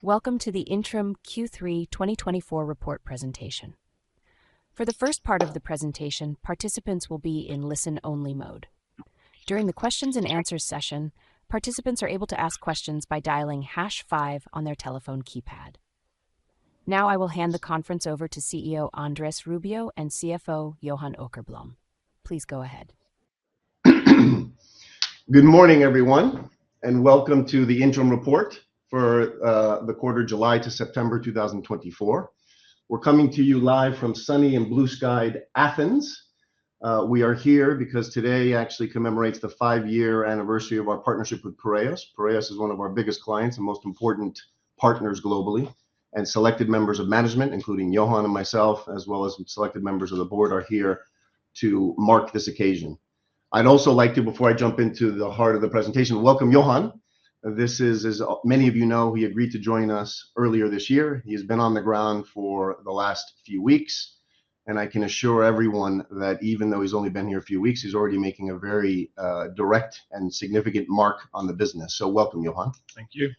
Welcome to the Interim Q3 2024 report presentation. For the first part of the presentation, participants will be in listen-only mode. During the questions and answers session, participants are able to ask questions by dialing hash five on their telephone keypad. Now, I will hand the conference over to CEO Andrés Rubio and CFO Johan Åkerblom. Please go ahead. Good morning, everyone, and welcome to the interim report for the quarter, July to September, 2024. We're coming to you live from sunny and blue skied Athens. We are here because today actually commemorates the five-year anniversary of our partnership with Piraeus. Piraeus is one of our biggest clients and most important partners globally, and selected members of management, including Johan and myself, as well as selected members of the board, are here to mark this occasion. I'd also like to, before I jump into the heart of the presentation, welcome Johan. This is, as many of you know, he agreed to join us earlier this year. He has been on the ground for the last few weeks, and I can assure everyone that even though he's only been here a few weeks, he's already making a very direct and significant mark on the business. So welcome, Johan. Thank you.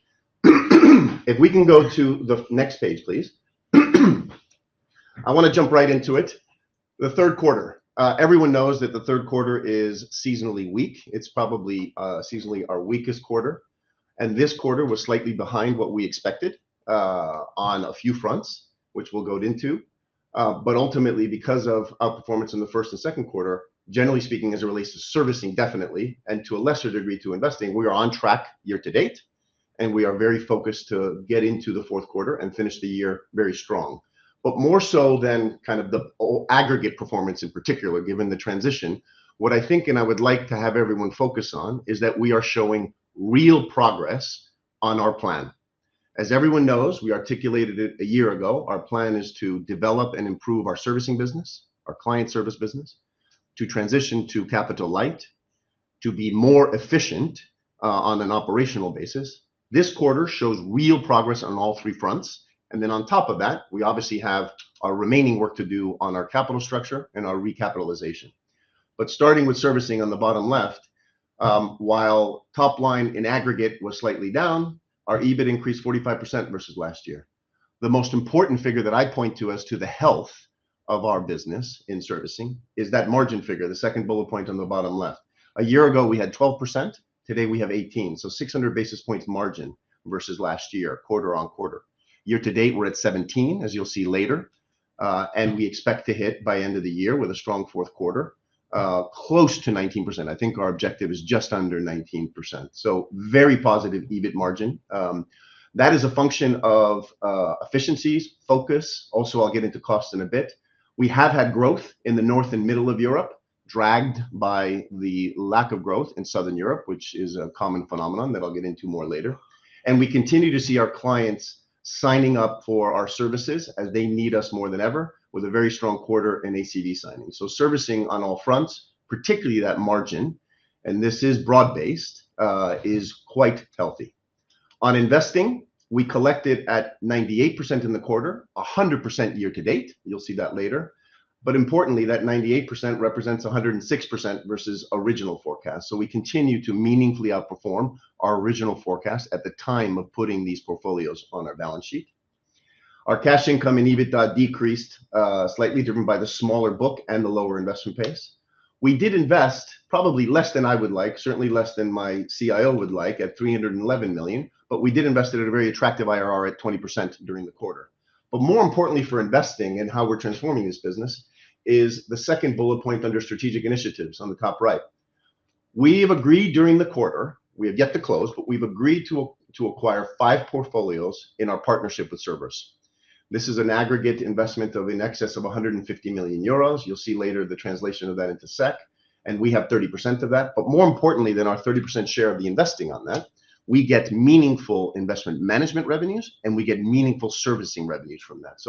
If we can go to the next page, please. I wanna jump right into it. The third quarter. Everyone knows that the third quarter is seasonally weak. It's probably, seasonally our weakest quarter, and this quarter was slightly behind what we expected, on a few fronts, which we'll go into. But ultimately, because of our performance in the first and second quarter, generally speaking, as it relates to servicing, definitely, and to a lesser degree, to investing, we are on track year to date, and we are very focused to get into the fourth quarter and finish the year very strong. But more so than kind of the aggregate performance in particular, given the transition, what I think, and I would like to have everyone focus on, is that we are showing real progress on our plan. As everyone knows, we articulated it a year ago, our plan is to develop and improve our servicing business, our client service business, to transition to capital light, to be more efficient on an operational basis. This quarter shows real progress on all three fronts, and then on top of that, we obviously have our remaining work to do on our capital structure and our recapitalization, but starting with servicing on the bottom left, while top line in aggregate was slightly down, our EBIT increased 45% versus last year. The most important figure that I point to as to the health of our business in servicing is that margin figure, the second bullet point on the bottom left. A year ago, we had 12%, today we have 18%, so 600 basis points margin versus last year, quarter on quarter. Year to date, we're at 17, as you'll see later, and we expect to hit by end of the year, with a strong fourth quarter, close to 19%. I think our objective is just under 19%, so very positive EBIT margin. That is a function of, efficiencies, focus. Also, I'll get into cost in a bit. We have had growth in the North and Middle of Europe, dragged by the lack of growth in Southern Europe, which is a common phenomenon that I'll get into more later. We continue to see our clients signing up for our services as they need us more than ever, with a very strong quarter in ACV signing. Servicing on all fronts, particularly that margin, and this is broad-based, is quite healthy. On investing, we collected at 98% in the quarter, 100% year to date. You'll see that later. But importantly, that 98% represents 106% versus original forecast, so we continue to meaningfully outperform our original forecast at the time of putting these portfolios on our balance sheet. Our cash income and EBITDA decreased, slightly different by the smaller book and the lower investment pace. We did invest probably less than I would like, certainly less than my CIO would like, at 311 million, but we did invest it at a very attractive IRR at 20% during the quarter. But more importantly for investing and how we're transforming this business, is the second bullet point under strategic initiatives on the top right. We have agreed during the quarter. We have yet to close, but we've agreed to acquire five portfolios in our partnership with Cerberus. This is an aggregate investment of in excess of SEK 150 million. You'll see later the translation of that into SEK, and we have 30% of that, but more importantly than our 30% share of the investing on that, we get meaningful investment management revenues, and we get meaningful servicing revenues from that.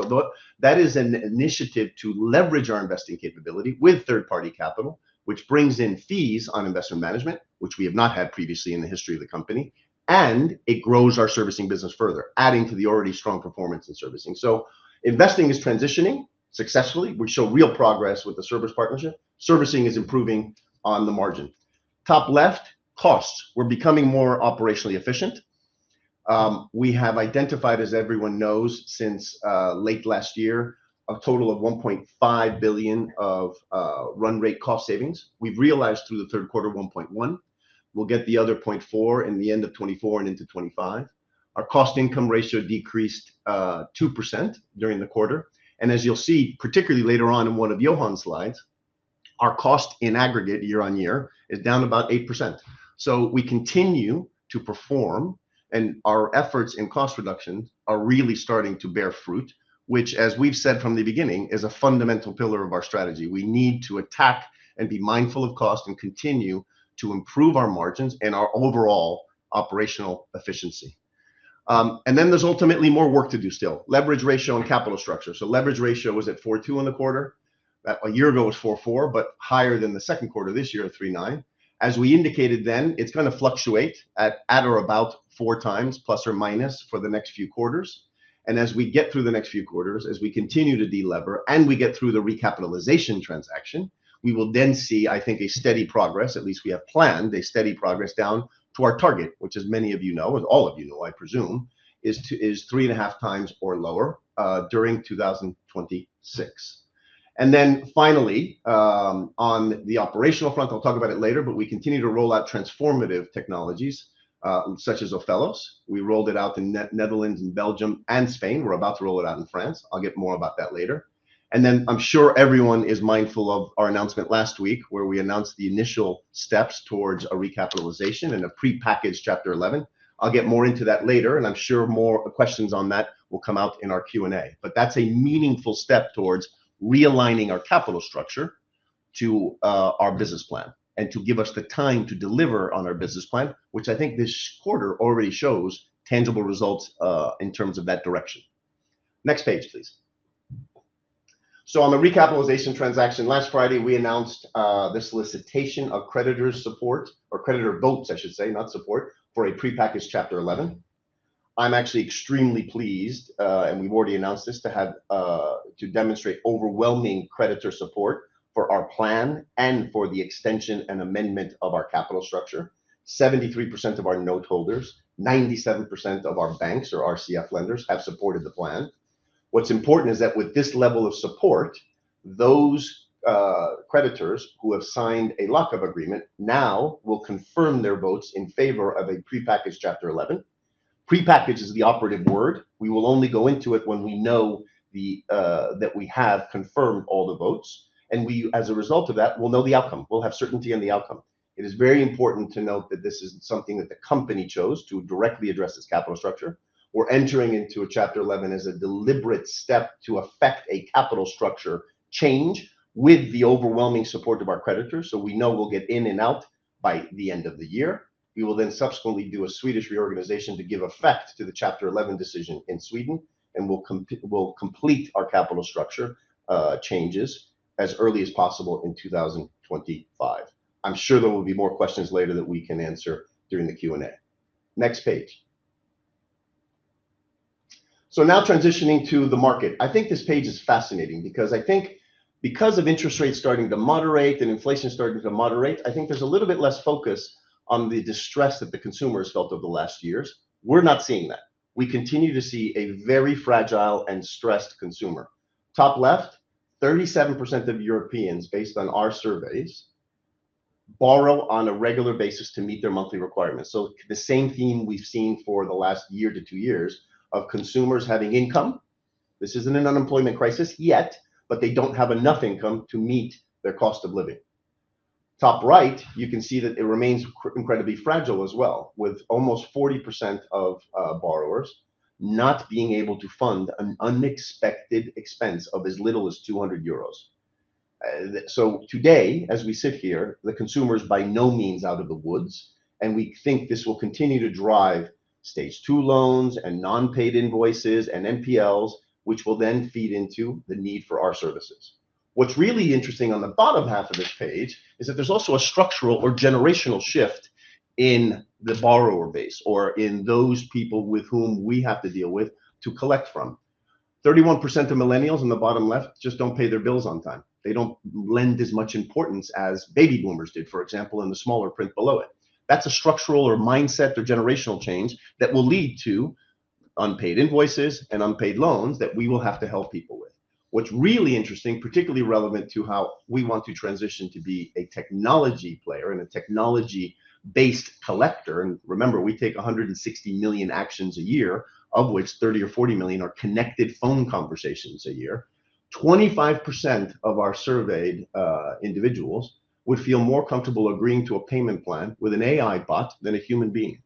That is an initiative to leverage our investing capability with third-party capital, which brings in fees on investment management, which we have not had previously in the history of the company, and it grows our servicing business further, adding to the already strong performance in servicing. Investing is transitioning successfully. We show real progress with the service partnership. Servicing is improving on the margin. Top left, costs. We're becoming more operationally efficient. We have identified, as everyone knows, since late last year, a total of 1.5 billion of run rate cost savings. We've realized through the third quarter, 1.1 billion. We'll get the other 0.4 billion in the end of 2024 and into 2025. Our cost income ratio decreased 2% during the quarter, and as you'll see, particularly later on in one of Johan's slides, our cost in aggregate, year on year, is down about 8%. So we continue to perform, and our efforts in cost reduction are really starting to bear fruit, which, as we've said from the beginning, is a fundamental pillar of our strategy. We need to attack and be mindful of cost and continue to improve our margins and our overall operational efficiency. And then there's ultimately more work to do still. Leverage ratio and capital structure. So leverage ratio was at 4.2 in the quarter. A year ago, it was 4.4, but higher than the second quarter this year at 3.9. As we indicated then, it's gonna fluctuate at or about four times, plus or minus, for the next few quarters, and as we get through the next few quarters, as we continue to de-lever, and we get through the recapitalization transaction, we will then see, I think, a steady progress, at least we have planned, a steady progress down to our target, which as many of you know, as all of you know, I presume, is 3.5 times or lower during 2026. And then finally, on the operational front, I'll talk about it later, but we continue to roll out transformative technologies, such as Ophelos. We rolled it out in Netherlands and Belgium and Spain. We're about to roll it out in France. I'll get more about that later. And then I'm sure everyone is mindful of our announcement last week, where we announced the initial steps towards a recapitalization and a prepackaged Chapter 11. I'll get more into that later, and I'm sure more questions on that will come out in our Q&A. But that's a meaningful step towards realigning our capital structure to, our business plan, and to give us the time to deliver on our business plan, which I think this quarter already shows tangible results, in terms of that direction. Next page, please. On the recapitalization transaction, last Friday, we announced the solicitation of creditors support or creditor votes, I should say, not support, for a prepackaged Chapter 11. I'm actually extremely pleased, and we've already announced this, to have, to demonstrate overwhelming creditor support for our plan and for the extension and amendment of our capital structure. 73% of our note holders, 97% of our banks or RCF lenders, have supported the plan. What's important is that with this level of support, those, creditors who have signed a lock-up agreement now will confirm their votes in favor of a prepackaged Chapter 11. Prepackaged is the operative word. We will only go into it when we know the, that we have confirmed all the votes, and we, as a result of that, will know the outcome. We'll have certainty on the outcome. It is very important to note that this isn't something that the company chose to directly address its capital structure. We're entering into a Chapter 11 as a deliberate step to affect a capital structure change with the overwhelming support of our creditors, so we know we'll get in and out by the end of the year. We will then subsequently do a Swedish reorganization to give effect to the Chapter 11 decision in Sweden, and we'll complete our capital structure changes as early as possible in 2025. I'm sure there will be more questions later that we can answer during the Q&A. Next page. So now transitioning to the market. I think this page is fascinating because I think because of interest rates starting to moderate and inflation starting to moderate, I think there's a little bit less focus on the distress that the consumers felt over the last years. We're not seeing that. We continue to see a very fragile and stressed consumer. Top left, 37% of Europeans, based on our surveys, borrow on a regular basis to meet their monthly requirements. So the same theme we've seen for the last year to two years of consumers having income. This isn't an unemployment crisis yet, but they don't have enough income to meet their cost of living. Top right, you can see that it remains incredibly fragile as well, with almost 40% of borrowers not being able to fund an unexpected expense of as little as SEK 200. So today, as we sit here, the consumer's by no means out of the woods, and we think this will continue to drive Stage 2 loans and non-paid invoices and NPLs, which will then feed into the need for our services. What's really interesting on the bottom half of this page is that there's also a structural or generational shift in the borrower base, or in those people with whom we have to deal with to collect from. 31% of millennials in the bottom left just don't pay their bills on time. They don't lend as much importance as baby boomers did, for example, in the smaller print below it. That's a structural or mindset or generational change that will lead to unpaid invoices and unpaid loans that we will have to help people with. What's really interesting, particularly relevant to how we want to transition to be a technology player and a technology-based collector, and remember, we take 160 million actions a year, of which 30 or 40 million are connected phone conversations a year. 25% of our surveyed individuals would feel more comfortable agreeing to a payment plan with an AI bot than a human being.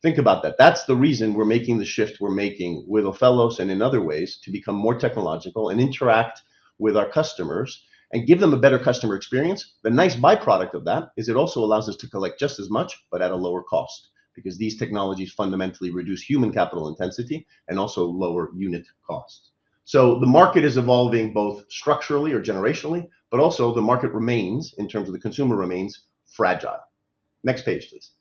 Think about that. That's the reason we're making the shift we're making with Ophelos and in other ways, to become more technological and interact with our customers and give them a better customer experience. The nice by-product of that is it also allows us to collect just as much, but at a lower cost, because these technologies fundamentally reduce human capital intensity and also lower unit costs. So the market is evolving, both structurally or generationally, but also the market remains, in terms of the consumer, remains fragile. Next page, please.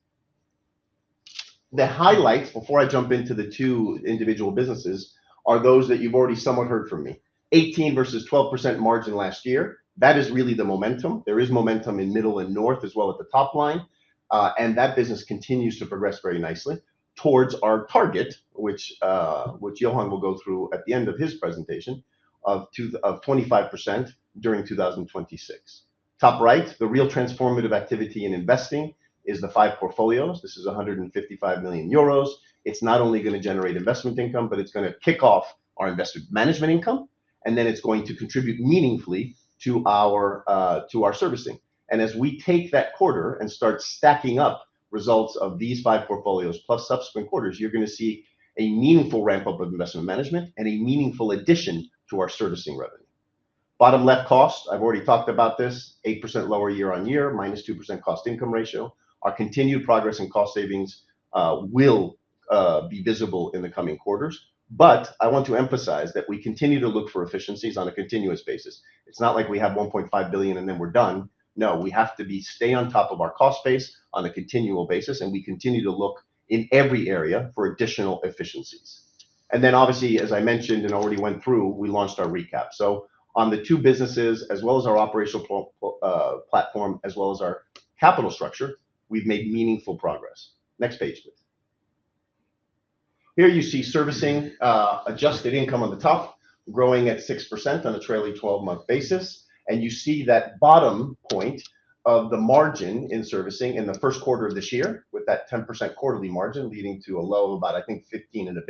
The highlights, before I jump into the two individual businesses, are those that you've already somewhat heard from me. 18% versus 12% margin last year. That is really the momentum. There is momentum in Middle and North as well at the top line, and that business continues to progress very nicely towards our target, which Johan will go through at the end of his presentation, of 25% during 2026. Top right, the real transformative activity in investing is the five portfolios. This is 155 million euros. It's not only going to generate investment income, but it's going to kick off our investment management income, and then it's going to contribute meaningfully to our, to our servicing. And as we take that quarter and start stacking up results of these five portfolios plus subsequent quarters, you're going to see a meaningful ramp-up of investment management and a meaningful addition to our servicing revenue. Bottom left cost, I've already talked about this, 8% lower year on year, minus 2% cost income ratio. Our continued progress in cost savings, will be visible in the coming quarters. But I want to emphasize that we continue to look for efficiencies on a continuous basis. It's not like we have 1.5 billion and then we're done. No, we have to be, stay on top of our cost base on a continual basis, and we continue to look in every area for additional efficiencies, and then obviously, as I mentioned and already went through, we launched our recap. So on the two businesses, as well as our operational platform, as well as our capital structure, we've made meaningful progress. Next page, please. Here you see servicing adjusted income on the top, growing at 6% on a trailing twelve-month basis, and you see that bottom point of the margin in servicing in the first quarter of this year, with that 10% quarterly margin leading to a low of about, I think, 15 and a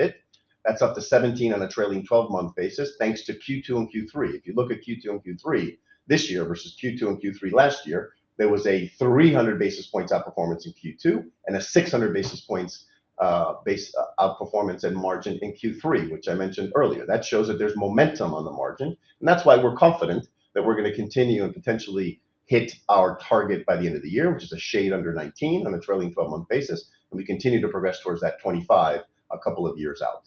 bit. That's up to 17 on a trailing twelve-month basis, thanks to Q2 and Q3. If you look at Q2 and Q3 this year versus Q2 and Q3 last year, there was a three hundred basis points outperformance in Q2, and a six hundred basis points basis outperformance in margin in Q3, which I mentioned earlier. That shows that there's momentum on the margin, and that's why we're confident that we're going to continue and potentially hit our target by the end of the year, which is a shade under 19 on a trailing twelve-month basis, and we continue to progress towards that 25 a couple of years out.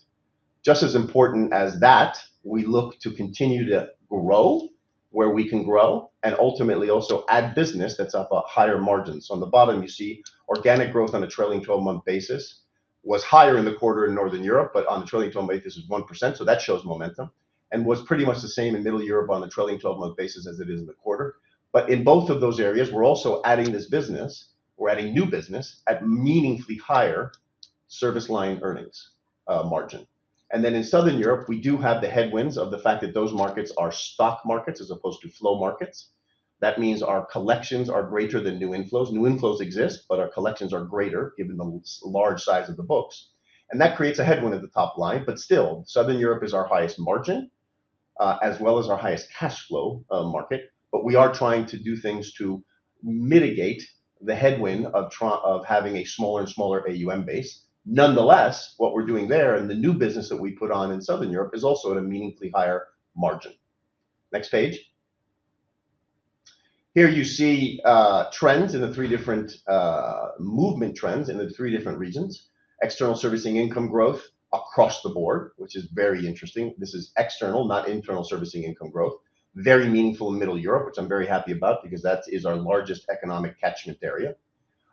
Just as important as that, we look to continue to grow where we can grow, and ultimately also add business that's of a higher margin. On the bottom, you see organic growth on a trailing twelve-month basis was higher in the quarter in Northern Europe, but on a trailing twelve-month basis, it's 1%, so that shows momentum, and was pretty much the same in Middle Europe on a trailing twelve-month basis as it is in the quarter. But in both of those areas, we're also adding this business, we're adding new business at meaningfully higher service line earnings, margin. And then in Southern Europe, we do have the headwinds of the fact that those markets are stock markets as opposed to flow markets. That means our collections are greater than new inflows. New inflows exist, but our collections are greater given the large size of the books. And that creates a headwind at the top line, but still, Southern Europe is our highest margin, as well as our highest cash flow, market. But we are trying to do things to mitigate the headwind of having a smaller and smaller AUM base. Nonetheless, what we're doing there and the new business that we put on in Southern Europe is also at a meaningfully higher margin. Next page. Here you see trends in the three different movement trends in the three different regions. External servicing income growth across the board, which is very interesting. This is external, not internal servicing income growth. Very meaningful in Middle Europe, which I'm very happy about because that is our largest economic catchment area.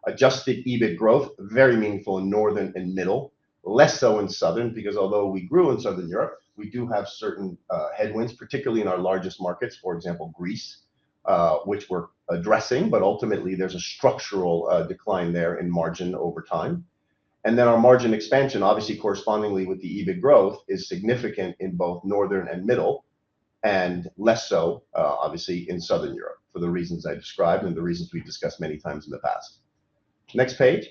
Adjusted EBIT growth, very meaningful in Northern and Middle, less so in Southern, because although we grew in Southern Europe, we do have certain, headwinds, particularly in our largest markets, for example, Greece, which we're addressing, but ultimately, there's a structural, decline there in margin over time. And then our margin expansion, obviously correspondingly with the EBIT growth, is significant in both Northern and Middle, and less so, obviously in Southern Europe for the reasons I described and the reasons we've discussed many times in the past. Next page.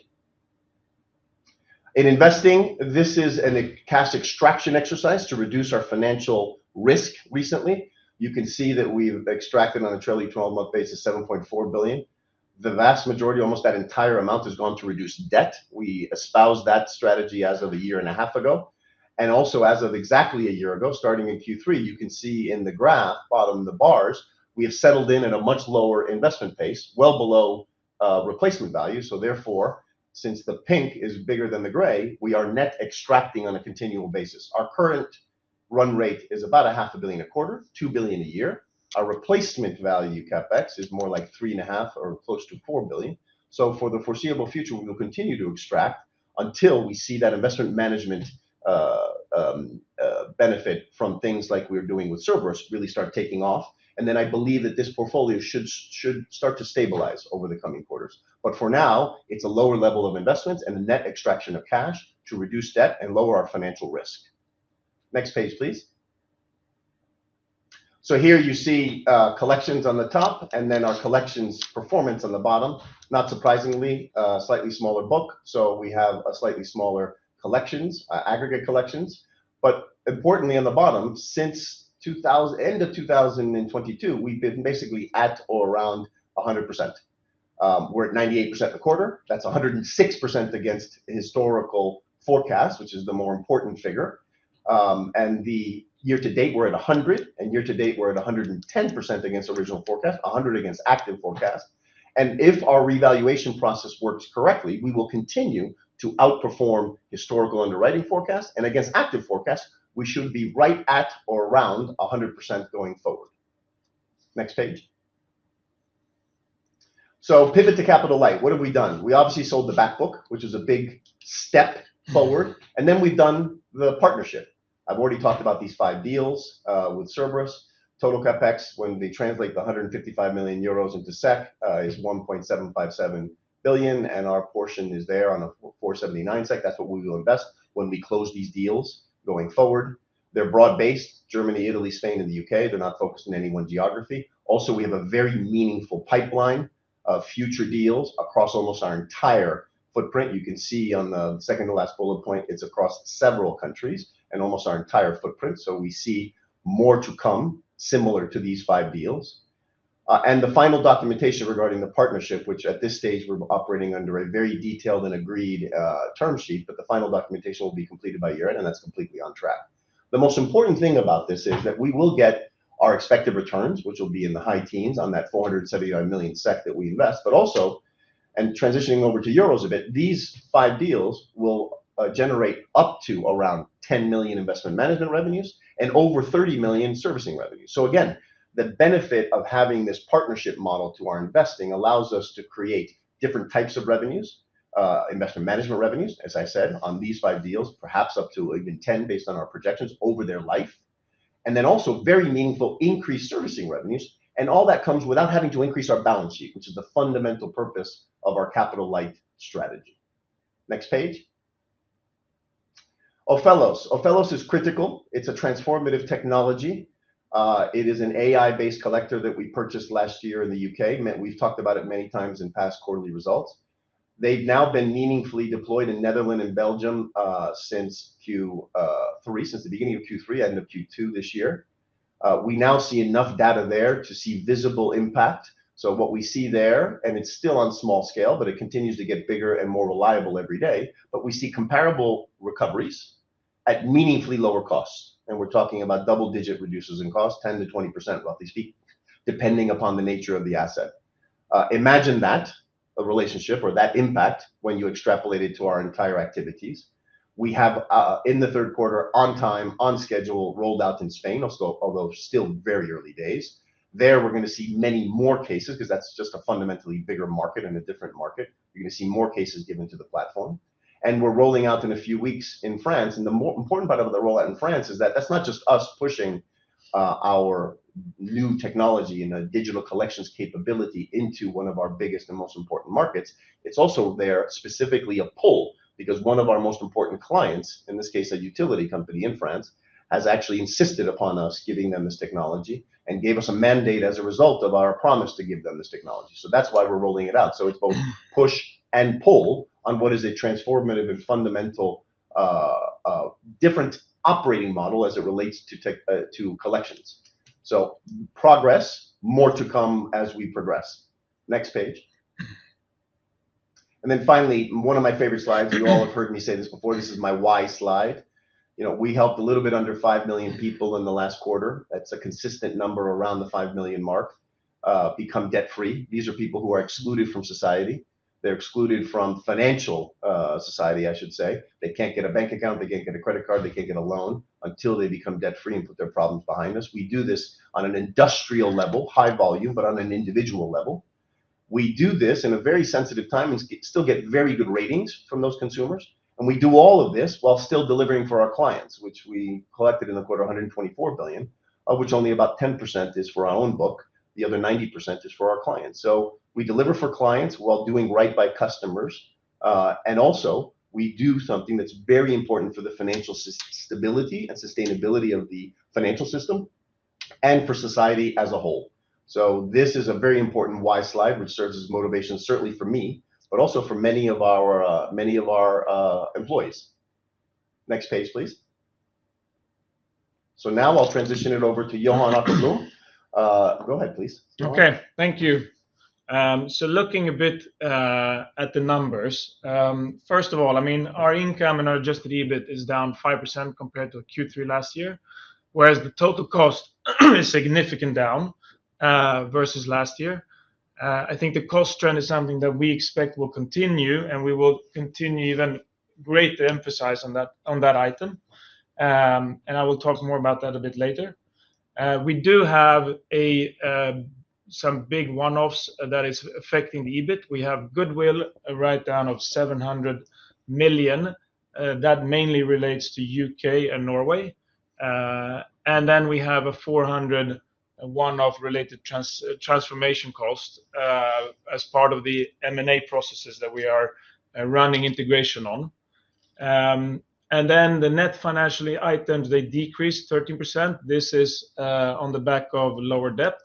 In investing, this is a cash extraction exercise to reduce our financial risk recently. You can see that we've extracted on a trailing twelve-month basis, 7.4 billion. The vast majority, almost that entire amount, has gone to reduce debt. We espouse that strategy as of a year and a half ago, and also as of exactly a year ago, starting in Q3, you can see in the graph, bottom of the bars, we have settled in a much lower investment pace, well below replacement value. So therefore, since the pink is bigger than the gray, we are net extracting on a continual basis. Our current run rate is about 500 million a quarter, 2 billion a year. Our replacement value CapEx is more like 3.5 billion or close to 4 billion. So for the foreseeable future, we will continue to extract until we see that investment management benefit from things like we're doing with Cerberus really start taking off, and then I believe that this portfolio should start to stabilize over the coming quarters. But for now, it's a lower level of investments and a net extraction of cash to reduce debt and lower our financial risk. Next page, please. So here you see, collections on the top and then our collections performance on the bottom. Not surprisingly, a slightly smaller book, so we have a slightly smaller collections, aggregate collections. But importantly, on the bottom, since the end of 2022, we've been basically at or around 100%. We're at 98% the quarter. That's 106% against historical forecast, which is the more important figure. And the year to date, we're at 100%, and year to date, we're at 110% against original forecast, 100% against active forecast. If our revaluation process works correctly, we will continue to outperform historical underwriting forecast, and against active forecast, we should be right at or around 100% going forward. Next page. Pivot to Capital Light. What have we done? We obviously sold the back book, which is a big step forward, and then we've done the partnership. I've already talked about these five deals with Cerberus. Total CapEx, when they translate the 155 million euros into SEK, is 1.757 billion, and our portion is there on the 479 SEK. That's what we will invest when we close these deals going forward. They're broad-based, Germany, Italy, Spain, and the UK. They're not focused in any one geography. Also, we have a very meaningful pipeline of future deals across almost our entire footprint. You can see on the second to last bullet point, it's across several countries and almost our entire footprint, so we see more to come similar to these five deals, and the final documentation regarding the partnership, which at this stage we're operating under a very detailed and agreed term sheet, but the final documentation will be completed by year-end, and that's completely on track. The most important thing about this is that we will get our expected returns, which will be in the high teens on that 479 million SEK that we invest, but also, and transitioning over to euros a bit, these five deals will generate up to around 10 million investment management revenues and over 30 million servicing revenues. So again, the benefit of having this partnership model to our investing allows us to create different types of revenues, investment management revenues, as I said, on these five deals, perhaps up to even ten, based on our projections over their life... and then also very meaningful increased servicing revenues, and all that comes without having to increase our balance sheet, which is the fundamental purpose of our capital light strategy. Next page. Ophelos. Ophelos is critical. It's a transformative technology. It is an AI-based collector that we purchased last year in the UK. We've talked about it many times in past quarterly results. They've now been meaningfully deployed in Netherlands and Belgium, since Q3, since the beginning of Q3, end of Q2 this year. We now see enough data there to see visible impact. So what we see there, and it's still on small scale, but it continues to get bigger and more reliable every day, but we see comparable recoveries at meaningfully lower costs, and we're talking about double-digit reductions in cost, 10%-20%, roughly speaking, depending upon the nature of the asset. Imagine that, a relationship or that impact when you extrapolate it to our entire activities. We have, in the third quarter, on time, on schedule, rolled out in Spain, also, although still very early days. There, we're going to see many more cases, because that's just a fundamentally bigger market and a different market. You're going to see more cases given to the platform, and we're rolling out in a few weeks in France, and the more important part about the rollout in France is that that's not just us pushing our new technology and a digital collections capability into one of our biggest and most important markets. It's also there, specifically a pull, because one of our most important clients, in this case, a utility company in France, has actually insisted upon us giving them this technology and gave us a mandate as a result of our promise to give them this technology. So that's why we're rolling it out. So it's both push and pull on what is a transformative and fundamental different operating model as it relates to tech to collections. So progress, more to come as we progress. Next page. And then finally, one of my favorite slides. You all have heard me say this before. This is my why slide. You know, we helped a little bit under five million people in the last quarter. That's a consistent number around the five million mark, become debt-free. These are people who are excluded from society. They're excluded from financial society, I should say. They can't get a bank account. They can't get a credit card. They can't get a loan until they become debt-free and put their problems behind us. We do this on an industrial level, high volume, but on an individual level. We do this in a very sensitive time and still get very good ratings from those consumers, and we do all of this while still delivering for our clients, which we collected in the quarter, 124 billion, of which only about 10% is for our own book. The other 90% is for our clients. So we deliver for clients while doing right by customers. And also, we do something that's very important for the financial stability and sustainability of the financial system and for society as a whole. So this is a very important why slide, which serves as motivation, certainly for me, but also for many of our employees. Next page, please. So now I'll transition it over to Johan Åkerblom. Go ahead, please, Johan. Okay, thank you. So looking a bit at the numbers, first of all, I mean, our income and our adjusted EBIT is down 5% compared to Q3 last year, whereas the total cost is significant down versus last year. I think the cost trend is something that we expect will continue, and we will continue even greater emphasize on that, on that item. And I will talk more about that a bit later. We do have some big one-offs that is affecting the EBIT. We have goodwill, a write-down of 700 million that mainly relates to UK and Norway. And then we have a 400 million one-off related transformation cost as part of the M&A processes that we are running integration on. And then the net financial items, they decreased 13%. This is on the back of lower debt,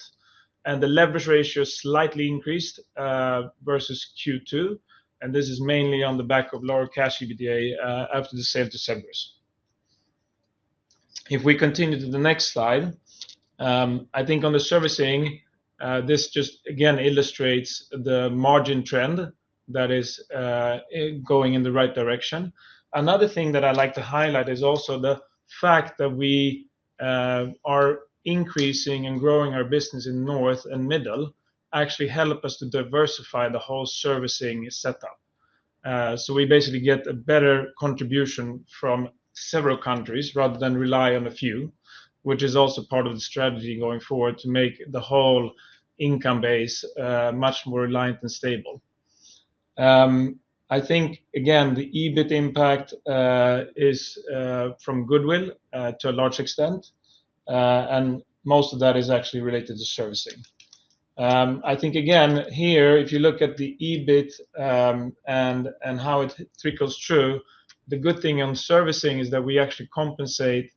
and the leverage ratio slightly increased versus Q2, and this is mainly on the back of lower cash EBITDA after the sale to Cerberus. If we continue to the next slide, I think on the servicing this just again illustrates the margin trend that is going in the right direction. Another thing that I like to highlight is also the fact that we are increasing and growing our business in north and middle actually help us to diversify the whole servicing setup. So we basically get a better contribution from several countries rather than rely on a few, which is also part of the strategy going forward to make the whole income base much more reliant and stable. I think, again, the EBIT impact is from goodwill to a large extent, and most of that is actually related to servicing. I think again, here, if you look at the EBIT and how it trickles through, the good thing on servicing is that we actually compensate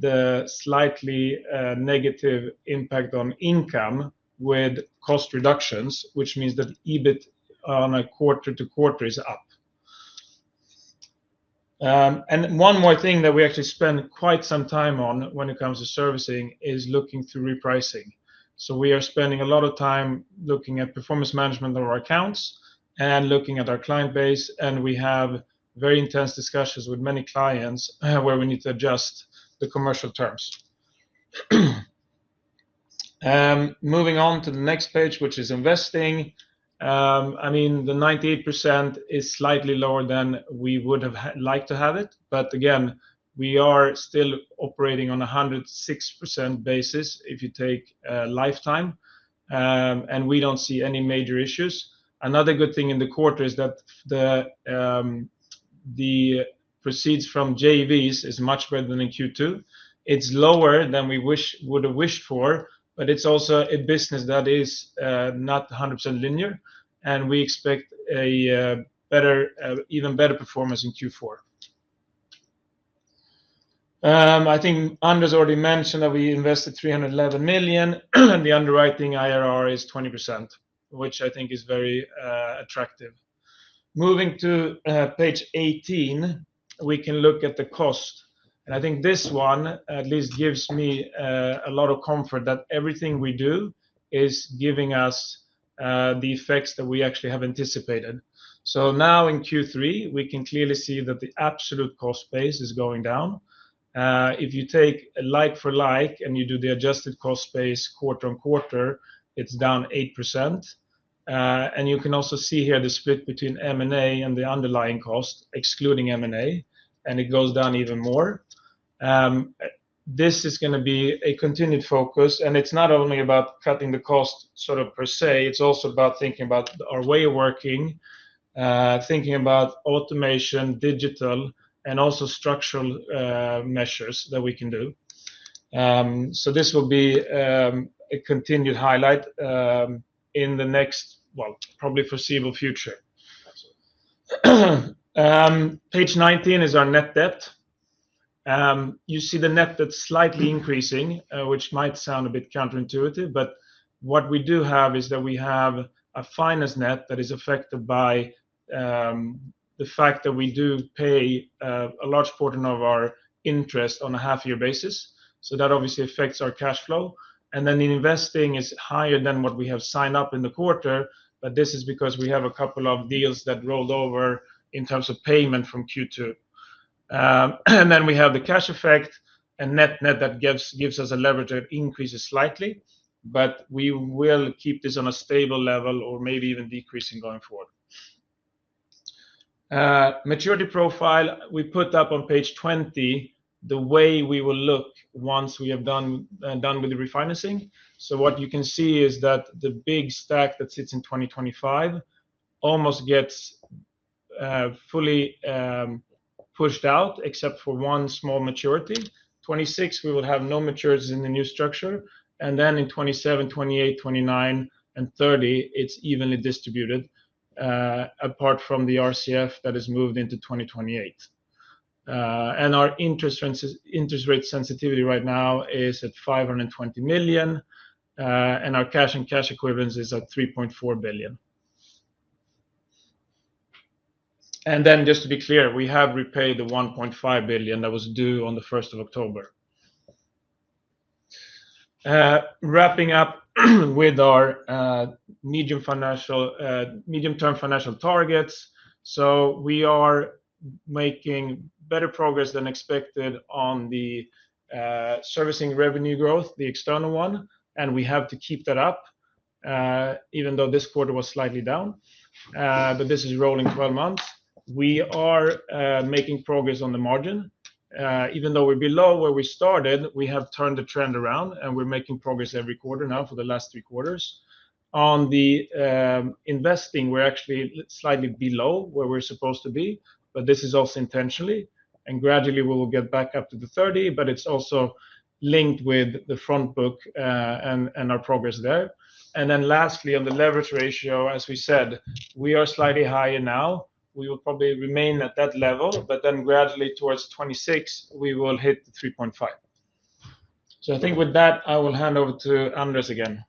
the slightly negative impact on income with cost reductions, which means that EBIT on a quarter to quarter is up. One more thing that we actually spend quite some time on when it comes to servicing is looking to repricing. We are spending a lot of time looking at performance management on our accounts and looking at our client base, and we have very intense discussions with many clients where we need to adjust the commercial terms. Moving on to the next page, which is investing. I mean, the 98% is slightly lower than we would have liked to have it, but again, we are still operating on a 106% basis if you take a lifetime, and we don't see any major issues. Another good thing in the quarter is that the proceeds from JVs is much greater than in Q2. It's lower than we wish, would have wished for, but it's also a business that is not 100% linear, and we expect a better, even better performance in Q4. I think Andrés already mentioned that we invested 311 million, and the underwriting IRR is 20%, which I think is very attractive. Moving to page 18, we can look at the cost, and I think this one at least gives me a lot of comfort that everything we do is giving us the effects that we actually have anticipated, so now in Q3, we can clearly see that the absolute cost base is going down. If you take a like for like, and you do the adjusted cost base quarter on quarter, it's down 8%, and you can also see here the split between M&A and the underlying cost, excluding M&A, and it goes down even more. This is gonna be a continued focus, and it's not only about cutting the cost sort of per se, it's also about thinking about our way of working, thinking about automation, digital, and also structural measures that we can do. So this will be a continued highlight in the next, well, probably foreseeable future. Page 19 is our net debt. You see the net debt slightly increasing, which might sound a bit counterintuitive, but what we do have is that we have a finance net that is affected by the fact that we do pay a large portion of our interest on a half-year basis, so that obviously affects our cash flow. And then the investing is higher than what we have signed up in the quarter, but this is because we have a couple of deals that rolled over in terms of payment from Q2. And then we have the cash effect and net that gives us a leverage that increases slightly, but we will keep this on a stable level or maybe even decreasing going forward. Maturity profile, we put up on page 20 the way we will look once we have done with the refinancing. So what you can see is that the big stack that sits in 2025 almost gets fully pushed out except for one small maturity. 2026, we will have no maturities in the new structure, and then in 2027, 2028, 2029, and 2030, it's evenly distributed apart from the RCF that is moved into 2028. And our interest rate sensitivity right now is at 520 million, and our cash and cash equivalents is at 3.4 billion. Then, just to be clear, we have repaid the 1.5 billion that was due on the first of October. Wrapping up with our medium-term financial targets. We are making better progress than expected on the Servicing revenue growth, the external one, and we have to keep that up even though this quarter was slightly down. This is rolling twelve months. We are making progress on the margin. Even though we're below where we started, we have turned the trend around, and we're making progress every quarter now for the last three quarters. On the Investing, we're actually slightly below where we're supposed to be, but this is also intentionally, and gradually we will get back up to the thirty, but it's also linked with the front book and our progress there. Lastly, on the leverage ratio, as we said, we are slightly higher now. We will probably remain at that level, but then gradually towards twenty-six, we will hit 3.5. So I think with that, I will hand over to Andrés again.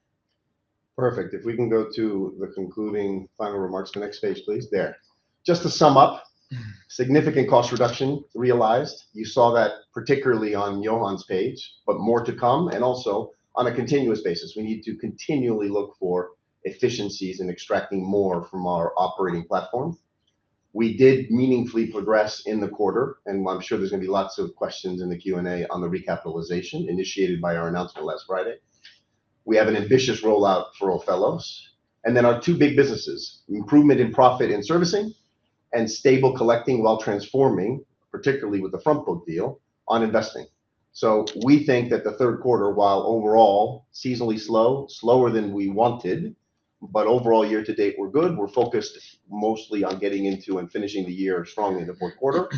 Perfect. If we can go to the concluding final remarks, the next page, please. There. Just to sum up, significant cost reduction realized. You saw that particularly on Johan's page, but more to come, and also on a continuous basis. We need to continually look for efficiencies in extracting more from our operating platform. We did meaningfully progress in the quarter, and I'm sure there's gonna be lots of questions in the Q&A on the recapitalization initiated by our announcement last Friday. We have an ambitious rollout for Ophelos, and then our two big businesses, improvement in profit and servicing, and stable collecting while transforming, particularly with the front book deal on investing. We think that the third quarter, while overall seasonally slow, slower than we wanted, but overall, year to date, we're good. We're focused mostly on getting into and finishing the year strongly in the fourth quarter.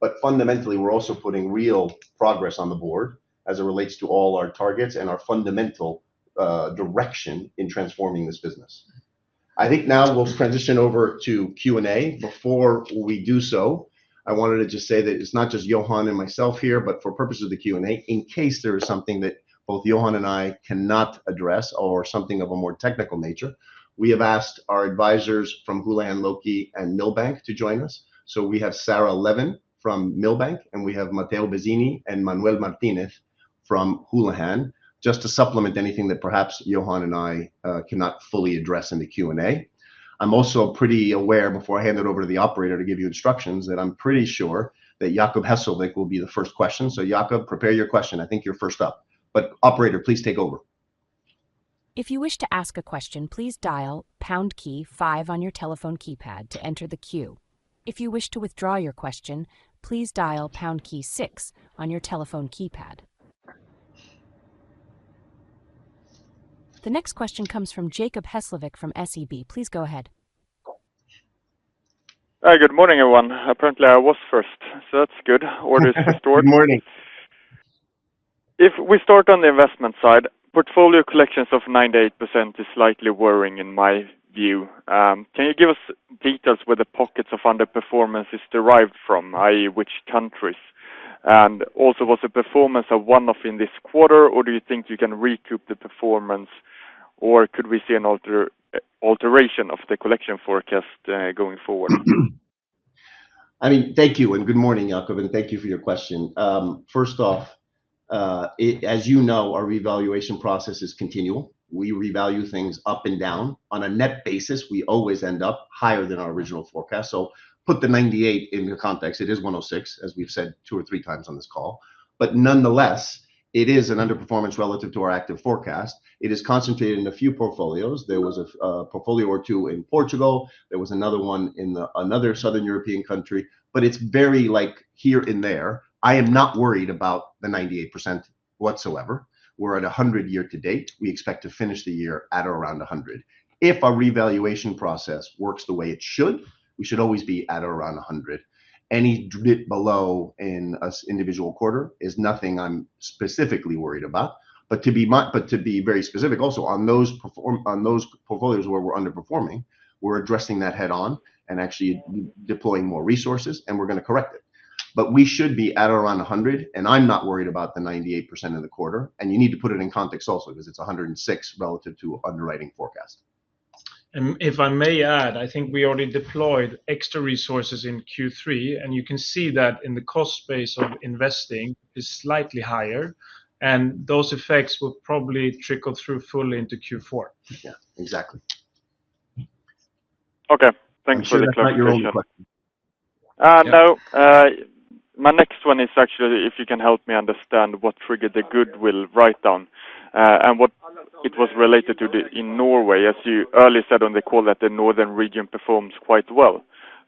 But fundamentally, we're also putting real progress on the board as it relates to all our targets and our fundamental direction in transforming this business. I think now we'll transition over to Q&A. Before we do so, I wanted to just say that it's not just Johan and myself here, but for purposes of the Q&A, in case there is something that both Johan and I cannot address or something of a more technical nature, we have asked our advisors from Houlihan Lokey and Milbank to join us. So we have Sarah Levin from Milbank, and we have Matteo Vezzini and Manuel Martinez from Houlihan, just to supplement anything that perhaps Johan and I cannot fully address in the Q&A. I'm also pretty aware, before I hand it over to the operator to give you instructions, that I'm pretty sure that Jacob Hesslevik will be the first question. Jacob, prepare your question. I think you're first up, but operator, please take over. If you wish to ask a question, please dial pound key five on your telephone keypad to enter the queue. If you wish to withdraw your question, please dial pound key six on your telephone keypad. The next question comes from Jacob Hesslevik from SEB. Please go ahead. Hi, good morning, everyone. Apparently, I was first, so that's good. Order is restored. Good morning. If we start on the investment side, portfolio collections of 98% is slightly worrying in my view. Can you give us details where the pockets of underperformance is derived from, i.e., which countries? Also, was the performance a one-off in this quarter, or do you think you can recoup the performance, or could we see an alteration of the collection forecast going forward? I mean, thank you, and good morning, Jacob, and thank you for your question. First off, as you know, our revaluation process is continual. We revalue things up and down. On a net basis, we always end up higher than our original forecast, so put the 98 in your context. It is 106, as we've said two or three times on this call, but nonetheless, it is an underperformance relative to our active forecast. It is concentrated in a few portfolios. There was a portfolio or two in Portugal. There was another one in another Southern European country, but it's very, like, here and there. I am not worried about the 98% whatsoever. We're at 100 year to date. We expect to finish the year at around 100. If our revaluation process works the way it should, we should always be at around 100. Any dip below in a single quarter is nothing I'm specifically worried about. But to be very specific also, on those portfolios where we're underperforming, we're addressing that head-on and actually deploying more resources, and we're gonna correct it. But we should be at around 100, and I'm not worried about the 98% in the quarter, and you need to put it in context also, because it's 106% relative to underwriting forecast. If I may add, I think we already deployed extra resources in Q3, and you can see that in the cost base of investing is slightly higher, and those effects will probably trickle through fully into Q4. Yeah, exactly. Okay, thanks for the clarification. I'm sure that's not your only question. No. My next one is actually if you can help me understand what triggered the goodwill write-down, and what it was related to in Norway, as you earlier said on the call, that the northern region performs quite well,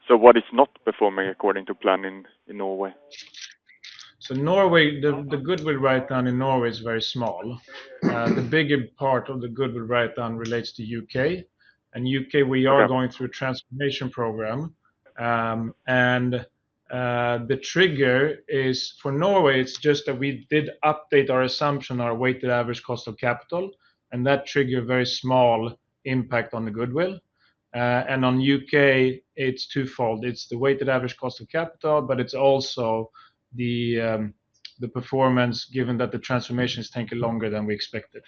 so what is not performing according to plan in Norway? Norway, the goodwill write-down in Norway is very small. Mm-hmm. The bigger part of the goodwill write-down relates to UK In UK- Okay We are going through a transformation program, and the trigger is, for Norway, it's just that we did update our assumption, our weighted average cost of capital, and that triggered a very small impact on the goodwill, and on UK, it's twofold: it's the weighted average cost of capital, but it's also the performance, given that the transformations taking longer than we expected.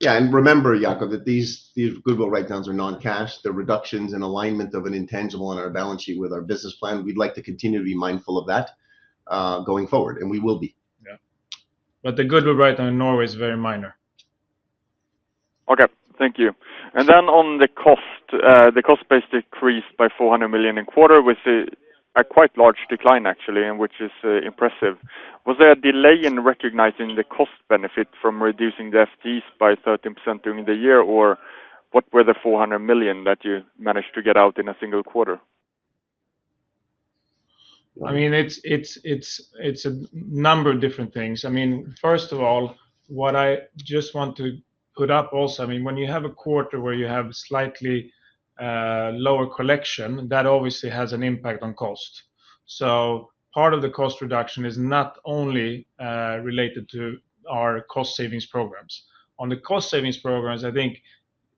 Yeah, and remember, Jacob, that these goodwill write-downs are non-cash. They're reductions and alignment of an intangible on our balance sheet with our business plan. We'd like to continue to be mindful of that, going forward, and we will be. Yeah, but the goodwill write-down in Norway is very minor. Okay, thank you. And then on the cost, the cost base decreased by 400 million in the quarter, with a quite large decline, actually, and which is impressive. Was there a delay in recognizing the cost benefit from reducing the FTEs by 13% during the year, or what were the 400 million that you managed to get out in a single quarter? I mean, it's a number of different things. I mean, first of all, what I just want to put up also. I mean, when you have a quarter where you have slightly lower collection, that obviously has an impact on cost. So part of the cost reduction is not only related to our cost savings programs. On the cost savings programs, I think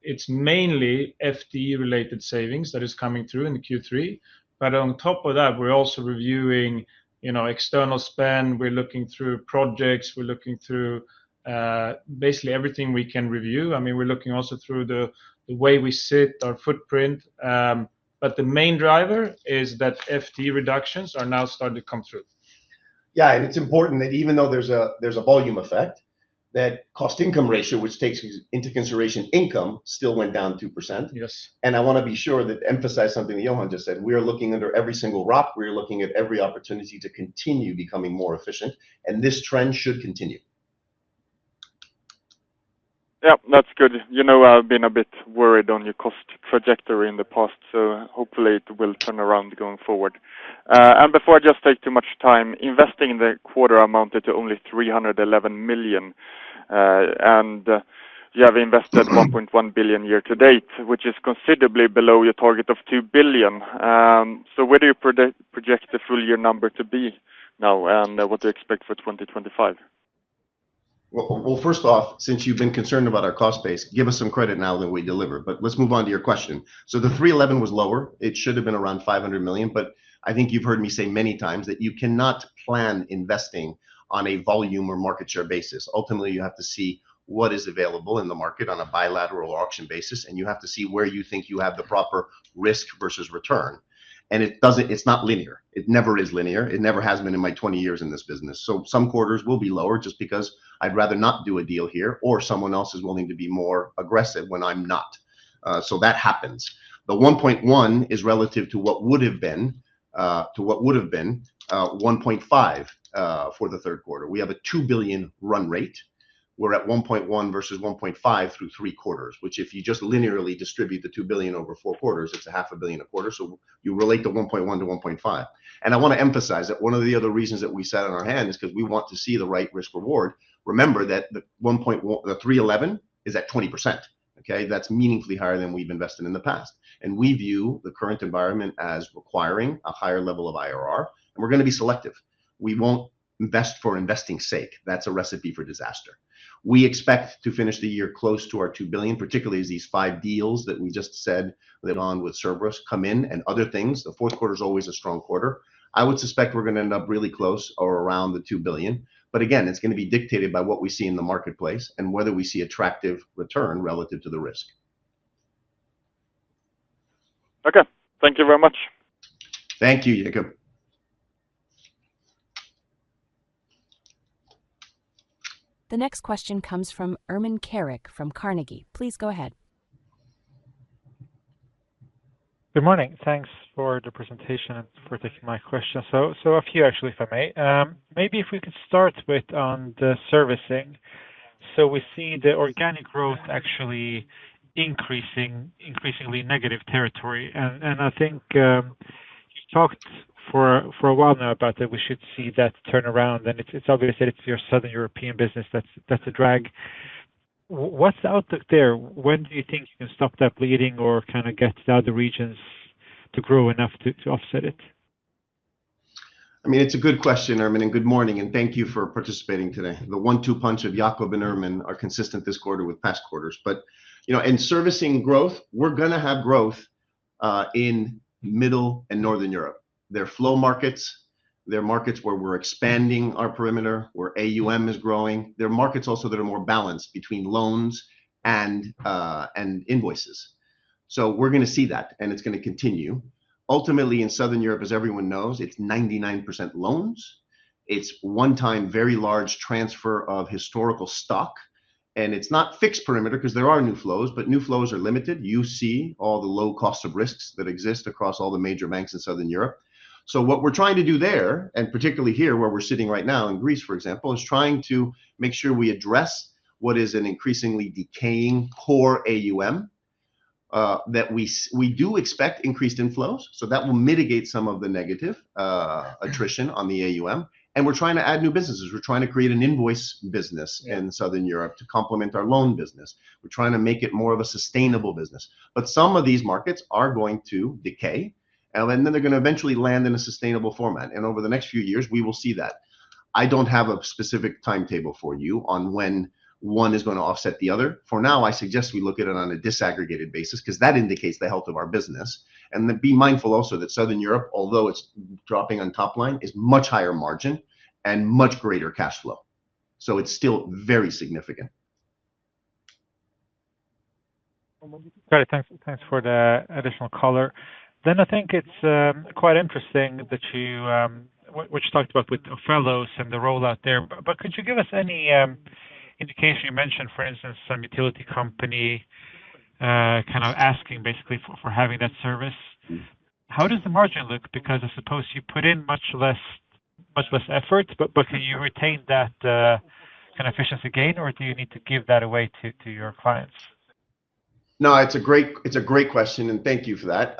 it's mainly FTE-related savings that is coming through in Q3. But on top of that, we're also reviewing, you know, external spend. We're looking through projects. We're looking through basically everything we can review. I mean, we're looking also through the way we set our footprint, but the main driver is that FTE reductions are now starting to come through. Yeah, and it's important that even though there's a volume effect, that Cost Income Ratio, which takes into consideration income, still went down 2%. Yes, and I wanna be sure that emphasize something that Johan just said. We are looking under every single rock. We are looking at every opportunity to continue becoming more efficient, and this trend should continue. Yep, that's good. You know, I've been a bit worried on your cost trajectory in the past, so hopefully it will turn around going forward. And before I just take too much time, investing in the quarter amounted to only 311 million. And you have invested- Mm-hmm 1.1 billion year to date, which is considerably below your target of 2 billion. So where do you project the full year number to be now, and what do you expect for 2025? First off, since you've been concerned about our cost base, give us some credit now that we delivered, but let's move on to your question. The 3.11 was lower. It should have been around 500 million, but I think you've heard me say many times that you cannot plan investing on a volume or market share basis. Ultimately, you have to see what is available in the market on a bilateral auction basis, and you have to see where you think you have the proper risk versus return. And it doesn't. It's not linear. It never is linear. It never has been in my 20 years in this business. Some quarters will be lower just because I'd rather not do a deal here, or someone else is willing to be more aggressive when I'm not. That happens. The 1.1 is relative to what would have been 1.5 for the third quarter. We have a 2 billion run rate. We're at 1.1 versus 1.5 through three quarters, which, if you just linearly distribute the 2 billion over four quarters, it's 0.5 billion a quarter, so you relate the 1.1 to 1.5. And I wanna emphasize that one of the other reasons that we sat on our hands is 'cause we want to see the right risk reward. Remember that the 1.1 - the 311 is at 20%. Okay? That's meaningfully higher than we've invested in the past, and we view the current environment as requiring a higher level of IRR, and we're gonna be selective. We won't invest for investing's sake. That's a recipe for disaster. We expect to finish the year close to our 2 billion, particularly as these five deals that we just signed with Cerberus come in and other things. The fourth quarter is always a strong quarter. I would suspect we're gonna end up really close or around the 2 billion, but again, it's gonna be dictated by what we see in the marketplace and whether we see attractive return relative to the risk. Okay, thank you very much. Thank you, Jacob. The next question comes from Ermin Keric from Carnegie. Please go ahead. Good morning. Thanks for the presentation and for taking my question. So a few, actually, if I may. Maybe if we could start with on the servicing. So we see the organic growth actually increasingly negative territory, and I think you talked for a while now about that we should see that turn around, and it's obvious that it's your Southern European business that's a drag. What's the outlook there? When do you think you can stop that bleeding or kind of get the other regions to grow enough to offset it? I mean, it's a good question, Ermin, and good morning, and thank you for participating today. The one-two punch of Jacob and Ermin are consistent this quarter with past quarters. But, you know, in servicing growth, we're gonna have growth in Middle and Northern Europe. They're flow markets. They're markets where we're expanding our perimeter, where AUM is growing. They're markets also that are more balanced between loans and invoices. So we're gonna see that, and it's gonna continue. Ultimately, in Southern Europe, as everyone knows, it's 99% loans. It's one-time, very large transfer of historical stock, and it's not fixed perimeter, 'cause there are new flows, but new flows are limited. You see all the low cost of risks that exist across all the major banks in Southern Europe. So what we're trying to do there, and particularly here, where we're sitting right now, in Greece, for example, is trying to make sure we address what is an increasingly decaying core AUM, that we do expect increased inflows, so that will mitigate some of the negative attrition on the AUM. And we're trying to add new businesses. We're trying to create an invoice business in Southern Europe to complement our loan business. We're trying to make it more of a sustainable business. But some of these markets are going to decay, and then they're gonna eventually land in a sustainable format, and over the next few years, we will see that. I don't have a specific timetable for you on when one is gonna offset the other. For now, I suggest we look at it on a disaggregated basis, 'cause that indicates the health of our business. And then be mindful also that Southern Europe, although it's dropping on top line, is much higher margin and much greater cash flow, so it's still very significant. Great. Thanks, thanks for the additional color. Then I think it's quite interesting that you talked about with Ophelos and the rollout there. But could you give us any indication? You mentioned, for instance, some utility company kind of asking basically for having that service. Mm-hmm. How does the margin look? Because I suppose you put in much less, much less effort, but, but do you retain that kind of efficiency gain, or do you need to give that away to your clients? No, it's a great question, and thank you for that.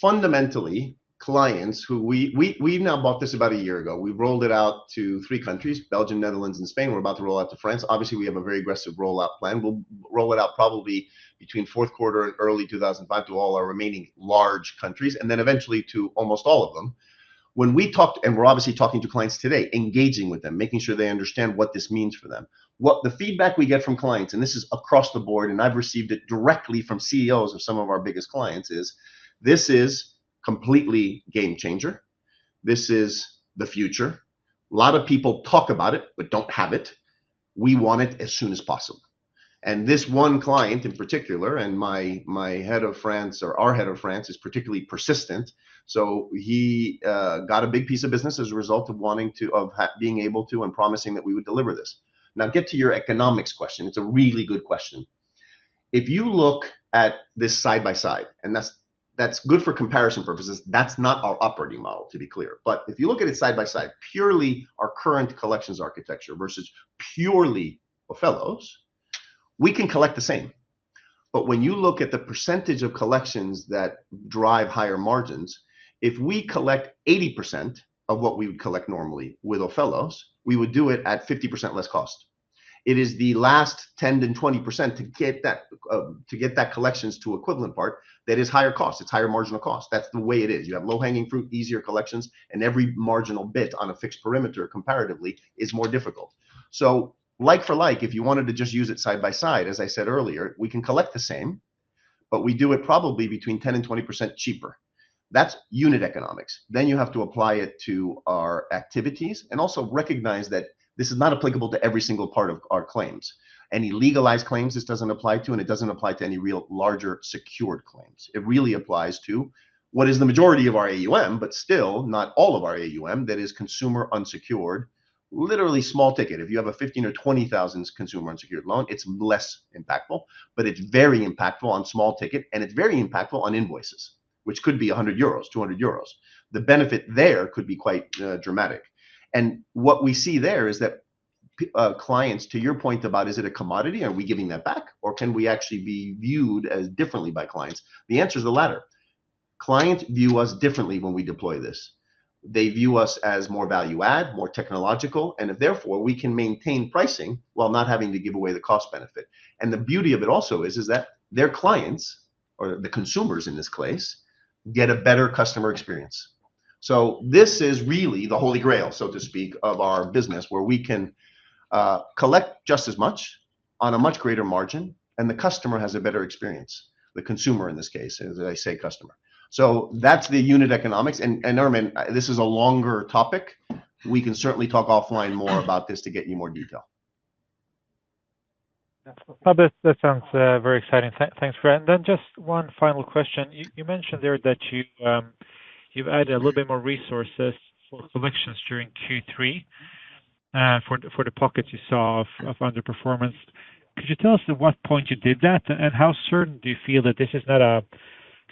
Fundamentally, we now bought this about a year ago. We rolled it out to three countries, Belgium, Netherlands, and Spain. We're about to roll out to France. Obviously, we have a very aggressive rollout plan. We'll roll it out probably between fourth quarter and early 2025 to all our remaining large countries, and then eventually to almost all of them. When we talked, and we're obviously talking to clients today, engaging with them, making sure they understand what this means for them. What the feedback we get from clients, and this is across the board, and I've received it directly from CEOs of some of our biggest clients, is, "This is completely game changer. This is the future. A lot of people talk about it but don't have it. We want it as soon as possible," and this one client in particular, and my, my head of France, or our head of France, is particularly persistent, so he got a big piece of business as a result of wanting to, of being able to and promising that we would deliver this. Now, get to your economics question. It's a really good question. If you look at this side by side, and that's, that's good for comparison purposes, that's not our operating model, to be clear, but if you look at it side by side, purely our current collections architecture versus purely Ophelos, we can collect the same, but when you look at the percentage of collections that drive higher margins, if we collect 80% of what we would collect normally with Ophelos, we would do it at 50% less cost. It is the last 10%-20% to get that, to get that collections to equivalent part that is higher cost. It's higher marginal cost. That's the way it is. You have low-hanging fruit, easier collections, and every marginal bit on a fixed perimeter, comparatively, is more difficult. So like for like, if you wanted to just use it side by side, as I said earlier, we can collect the same, but we do it probably between 10%-20% cheaper. That's unit economics. Then you have to apply it to our activities and also recognize that this is not applicable to every single part of our claims. Any legalized claims, this doesn't apply to, and it doesn't apply to any real larger secured claims. It really applies to what is the majority of our AUM, but still, not all of our AUM, that is consumer unsecured, literally small ticket. If you have a 15,000 or 20,000 SEK consumer unsecured loan, it's less impactful, but it's very impactful on small ticket, and it's very impactful on invoices, which could be 100 SEK, 200 SEK. The benefit there could be quite dramatic. And what we see there is that clients, to your point about, is it a commodity? Are we giving that back, or can we actually be viewed as differently by clients? The answer is the latter... clients view us differently when we deploy this. They view us as more value add, more technological, and therefore, we can maintain pricing while not having to give away the cost benefit. And the beauty of it also is that their clients, or the consumers in this case, get a better customer experience. So this is really the holy grail, so to speak, of our business, where we can collect just as much on a much greater margin, and the customer has a better experience. The consumer, in this case, did I say customer? So that's the unit economics. And Ermin, this is a longer topic. We can certainly talk offline more about this to get you more detail. That sounds very exciting. Thanks, gents. Then just one final question. You mentioned there that you've added a little bit more resources for collections during Q3, for the pockets you saw of underperformance. Could you tell us at what point you did that, and how certain do you feel that this is not a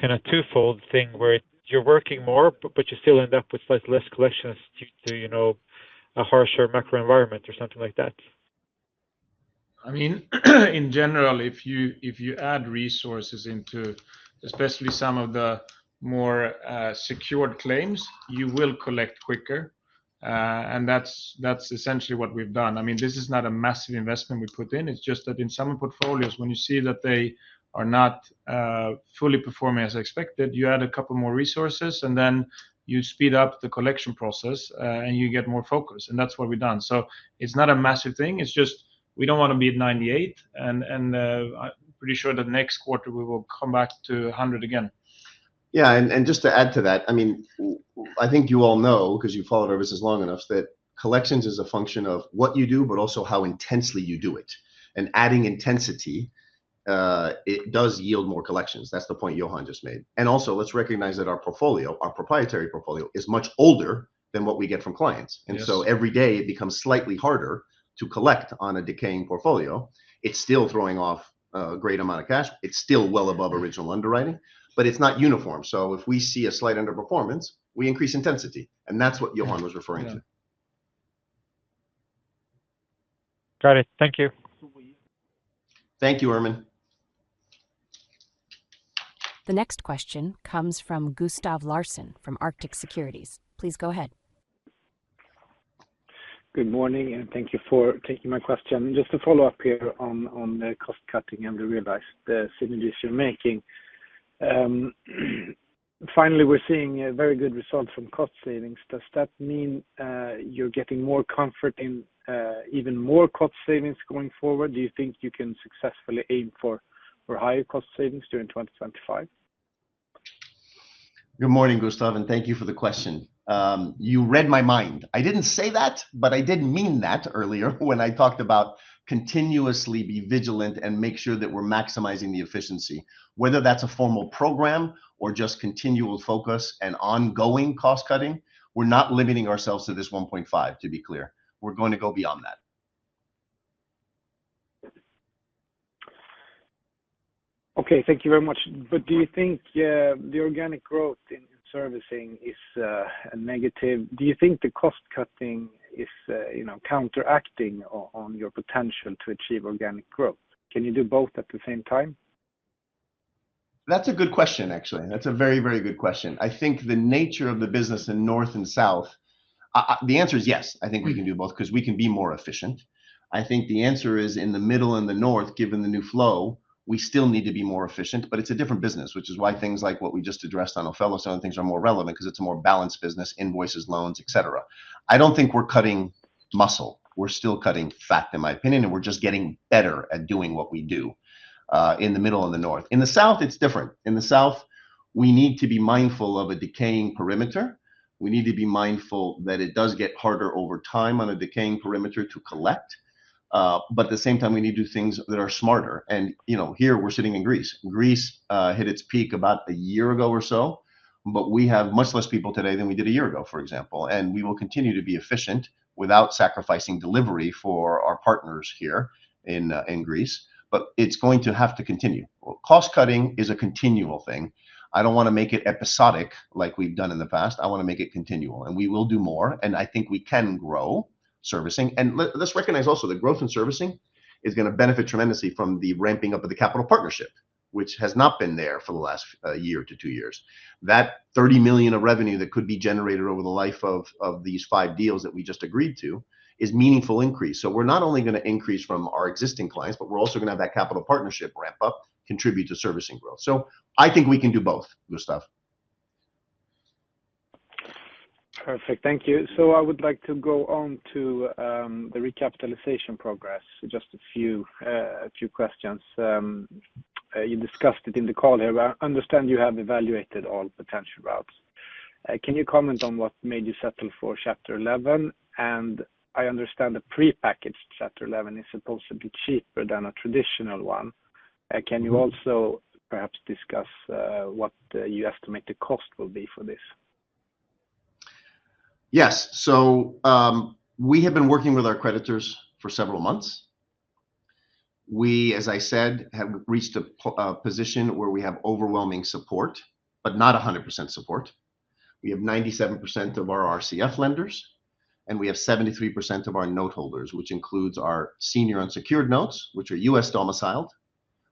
kind of twofold thing, where you're working more, but you still end up with slightly less collections due to, you know, a harsher macro environment or something like that? I mean, in general, if you, if you add resources into especially some of the more secured claims, you will collect quicker. And that's, that's essentially what we've done. I mean, this is not a massive investment we put in. It's just that in some portfolios, when you see that they are not fully performing as expected, you add a couple more resources, and then you speed up the collection process, and you get more focus, and that's what we've done. So it's not a massive thing. It's just, we don't wanna be at 98%, and, and, I'm pretty sure that next quarter we will come back to 100% again. Yeah, and just to add to that, I mean, I think you all know, 'cause you've followed services long enough, that collections is a function of what you do, but also how intensely you do it. And adding intensity, it does yield more collections. That's the point Johan just made. And also, let's recognize that our portfolio, our proprietary portfolio, is much older than what we get from clients. Yes. Every day it becomes slightly harder to collect on a decaying portfolio. It's still throwing off a great amount of cash. It's still well above original underwriting, but it's not uniform. So if we see a slight underperformance, we increase intensity, and that's what Johan was referring to. Yeah. Got it. Thank you. Thank you, Ermin. The next question comes from Gustav Larsen from Arctic Securities. Please go ahead. Good morning, and thank you for taking my question. Just to follow up here on the cost cutting and the realized synergies you're making. Finally, we're seeing a very good result from cost savings. Does that mean you're getting more comfort in even more cost savings going forward? Do you think you can successfully aim for higher cost savings during 2025? Good morning, Gustav, and thank you for the question. You read my mind. I didn't say that, but I did mean that earlier when I talked about continuously be vigilant and make sure that we're maximizing the efficiency. Whether that's a formal program or just continual focus and ongoing cost cutting, we're not limiting ourselves to this 1.5, to be clear. We're going to go beyond that. Okay, thank you very much. But do you think the organic growth in servicing is a negative? Do you think the cost cutting is, you know, counteracting on your potential to achieve organic growth? Can you do both at the same time? That's a good question, actually. That's a very, very good question. I think the nature of the business in North and South... The answer is yes, I think we can do both, 'cause we can be more efficient. I think the answer is, in the Middle and the North, given the new flow, we still need to be more efficient, but it's a different business, which is why things like what we just addressed on Ophelos and things are more relevant, 'cause it's a more balanced business, invoices, loans, et cetera. I don't think we're cutting muscle. We're still cutting fat, in my opinion, and we're just getting better at doing what we do, in the Middle and the North. In the South, it's different. In the South, we need to be mindful of a decaying perimeter. We need to be mindful that it does get harder over time on a decaying perimeter to collect. But at the same time, we need to do things that are smarter. And, you know, here we're sitting in Greece. Greece hit its peak about a year ago or so, but we have much less people today than we did a year ago, for example. And we will continue to be efficient without sacrificing delivery for our partners here in Greece, but it's going to have to continue. Cost cutting is a continual thing. I don't wanna make it episodic like we've done in the past. I wanna make it continual, and we will do more, and I think we can grow servicing. Let's recognize also the growth in servicing is gonna benefit tremendously from the ramping up of the capital partnership, which has not been there for the last year to two years. That 30 million of revenue that could be generated over the life of these five deals that we just agreed to is a meaningful increase. So we're not only gonna increase from our existing clients, but we're also gonna have that capital partnership ramp up contribute to servicing growth. So I think we can do both, Gustav. Perfect. Thank you. So I would like to go on to the recapitalization progress. Just a few questions. You discussed it in the call here, but I understand you have evaluated all potential routes. Can you comment on what made you settle for Chapter 11? And I understand a prepackaged Chapter 11 is supposedly cheaper than a traditional one. Can you also perhaps discuss what you estimate the cost will be for this? Yes. So, we have been working with our creditors for several months. We, as I said, have reached a position where we have overwhelming support, but not 100% support. We have 97% of our RCF lenders, and we have 73% of our noteholders, which includes our senior unsecured notes, which are U.S. domiciled,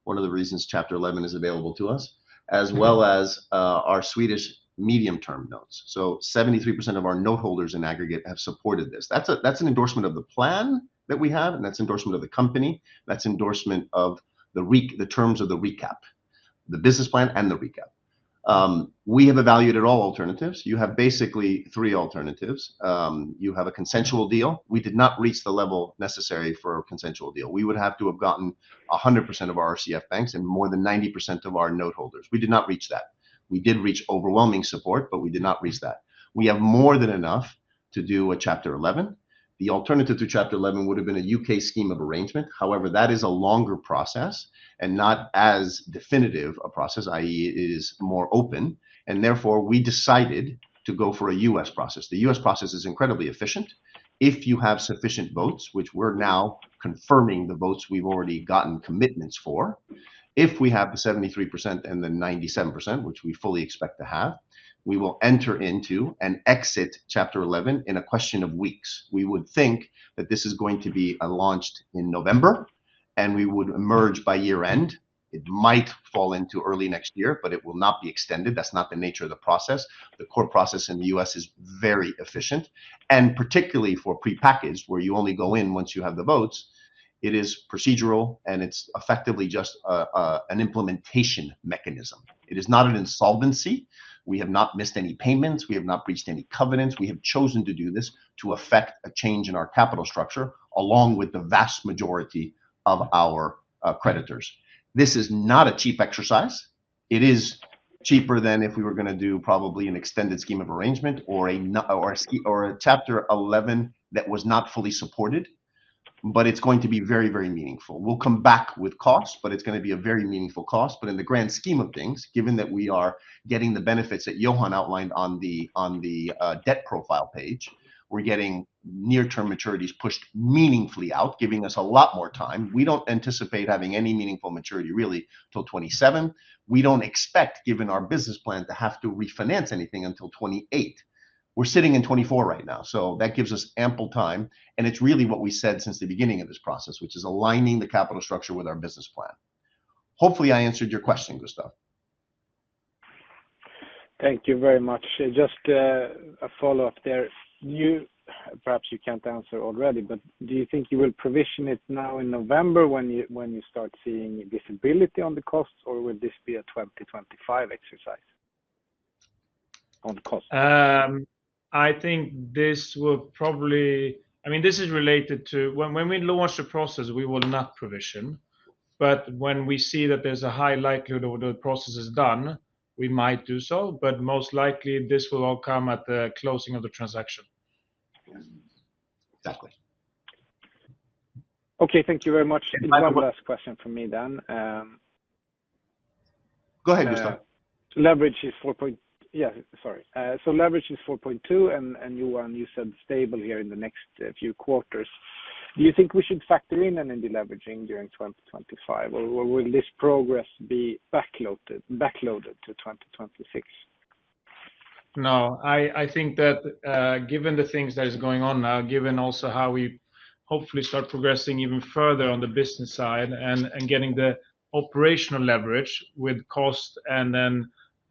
one of the reasons Chapter 11 is available to us, as well as our Swedish medium-term notes. So 73% of our noteholders in aggregate have supported this. That's an endorsement of the plan that we have, and that's endorsement of the company. That's endorsement of the terms of the recap, the business plan and the recap. We have evaluated all alternatives. You have basically three alternatives. You have a consensual deal. We did not reach the level necessary for a consensual deal. We would have to have gotten 100% of our RCF banks and more than 90% of our noteholders. We did not reach that. We did reach overwhelming support, but we did not reach that. We have more than enough to do a Chapter 11. The alternative to Chapter 11 would have been a UK scheme of arrangement. However, that is a longer process and not as definitive a process, i.e., it is more open, and therefore, we decided to go for a U.S. process. The U.S. process is incredibly efficient. If you have sufficient votes, which we're now confirming the votes we've already gotten commitments for, if we have the 73% and the 97%, which we fully expect to have, we will enter into and exit Chapter 11 in a question of weeks. We would think that this is going to be launched in November, and we would emerge by year-end. It might fall into early next year, but it will not be extended. That's not the nature of the process. The court process in the U.S. is very efficient, and particularly for prepackaged, where you only go in once you have the votes, it is procedural, and it's effectively just an implementation mechanism. It is not an insolvency. We have not missed any payments. We have not breached any covenants. We have chosen to do this to effect a change in our capital structure, along with the vast majority of our creditors. This is not a cheap exercise. It is cheaper than if we were going to do probably an extended scheme of arrangement or a Chapter 11 that was not fully supported, but it's going to be very, very meaningful. We'll come back with costs, but it's going to be a very meaningful cost. But in the grand scheme of things, given that we are getting the benefits that Johan outlined on the debt profile page, we're getting near-term maturities pushed meaningfully out, giving us a lot more time. We don't anticipate having any meaningful maturity really till 2027. We don't expect, given our business plan, to have to refinance anything until 2028. We're sitting in 2024 right now, so that gives us ample time, and it's really what we said since the beginning of this process, which is aligning the capital structure with our business plan. Hopefully, I answered your question, Gustav. Thank you very much. Just a follow-up there. Perhaps you can't answer already, but do you think you will provision it now in November, when you start seeing visibility on the costs, or will this be a 2025 exercise on cost? I think this will probably... I mean, this is related to... When we launch the process, we will not provision. But when we see that there's a high likelihood or the process is done, we might do so, but most likely, this will all come at the closing of the transaction. Exactly. Okay. Thank you very much. You're welcome. That's the last question from me then. Go ahead, Gustav. Leverage is 4.2, and you said stable here in the next few quarters. Do you think we should factor in a deleveraging during 2025, or will this progress be backloaded to 2026? No, I think that, given the things that is going on now, given also how we hopefully start progressing even further on the business side and getting the operational leverage with cost and then,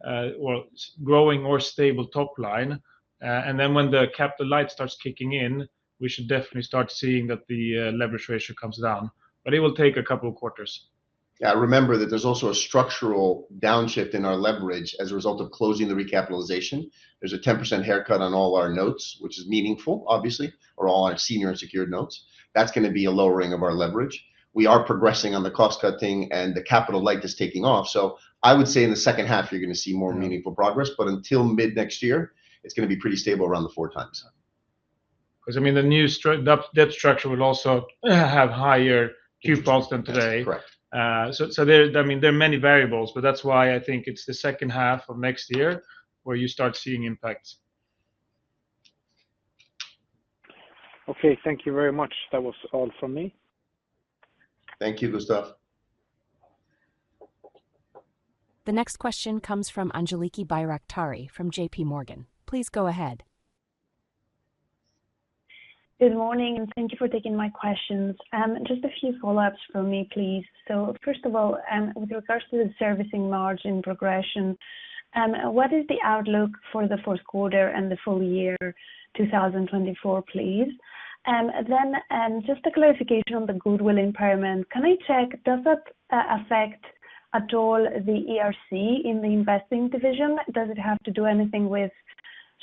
well, growing more stable top line, and then when the capital light starts kicking in, we should definitely start seeing that the leverage ratio comes down. But it will take a couple of quarters. Yeah. Remember that there's also a structural downshift in our leverage as a result of closing the recapitalization. There's a 10% haircut on all our notes, which is meaningful, obviously, or all our senior unsecured notes. That's going to be a lowering of our leverage. We are progressing on the cost-cutting, and the capital light is taking off. So I would say in the second half, you're going to see more meaningful progress, but until mid-next year, it's going to be pretty stable around the four times. 'Cause, I mean, the new debt structure will also have higher coupons than today. That's correct. So there, I mean, there are many variables, but that's why I think it's the second half of next year where you start seeing impacts. Okay. Thank you very much. That was all from me. Thank you, Gustav. The next question comes from Angeliki Bairaktari from J.P. Morgan. Please go ahead. Good morning, and thank you for taking my questions. Just a few follow-ups from me, please. So first of all, with regards to the servicing margin progression, what is the outlook for the fourth quarter and the full year 2024, please? Then, just a clarification on the goodwill impairment. Can I check, does that affect at all the ERC in the investing division? Does it have to do anything with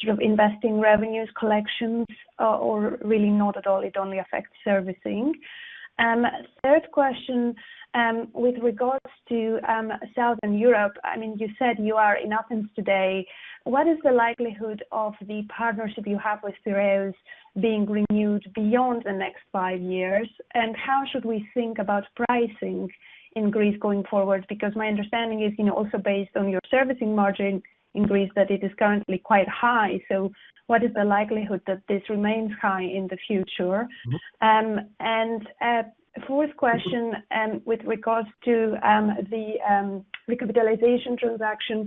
sort of investing revenues, collections, or really not at all, it only affects servicing? Third question, with regards to Southern Europe. I mean, you said you are in Athens today. What is the likelihood of the partnership you have with Piraeus being renewed beyond the next five years? And how should we think about pricing in Greece going forward? Because my understanding is, you know, also based on your servicing margin in Greece, that it is currently quite high. So what is the likelihood that this remains high in the future? Mm-hmm. And, fourth question, with regards to the recapitalization transaction. Mm-hmm.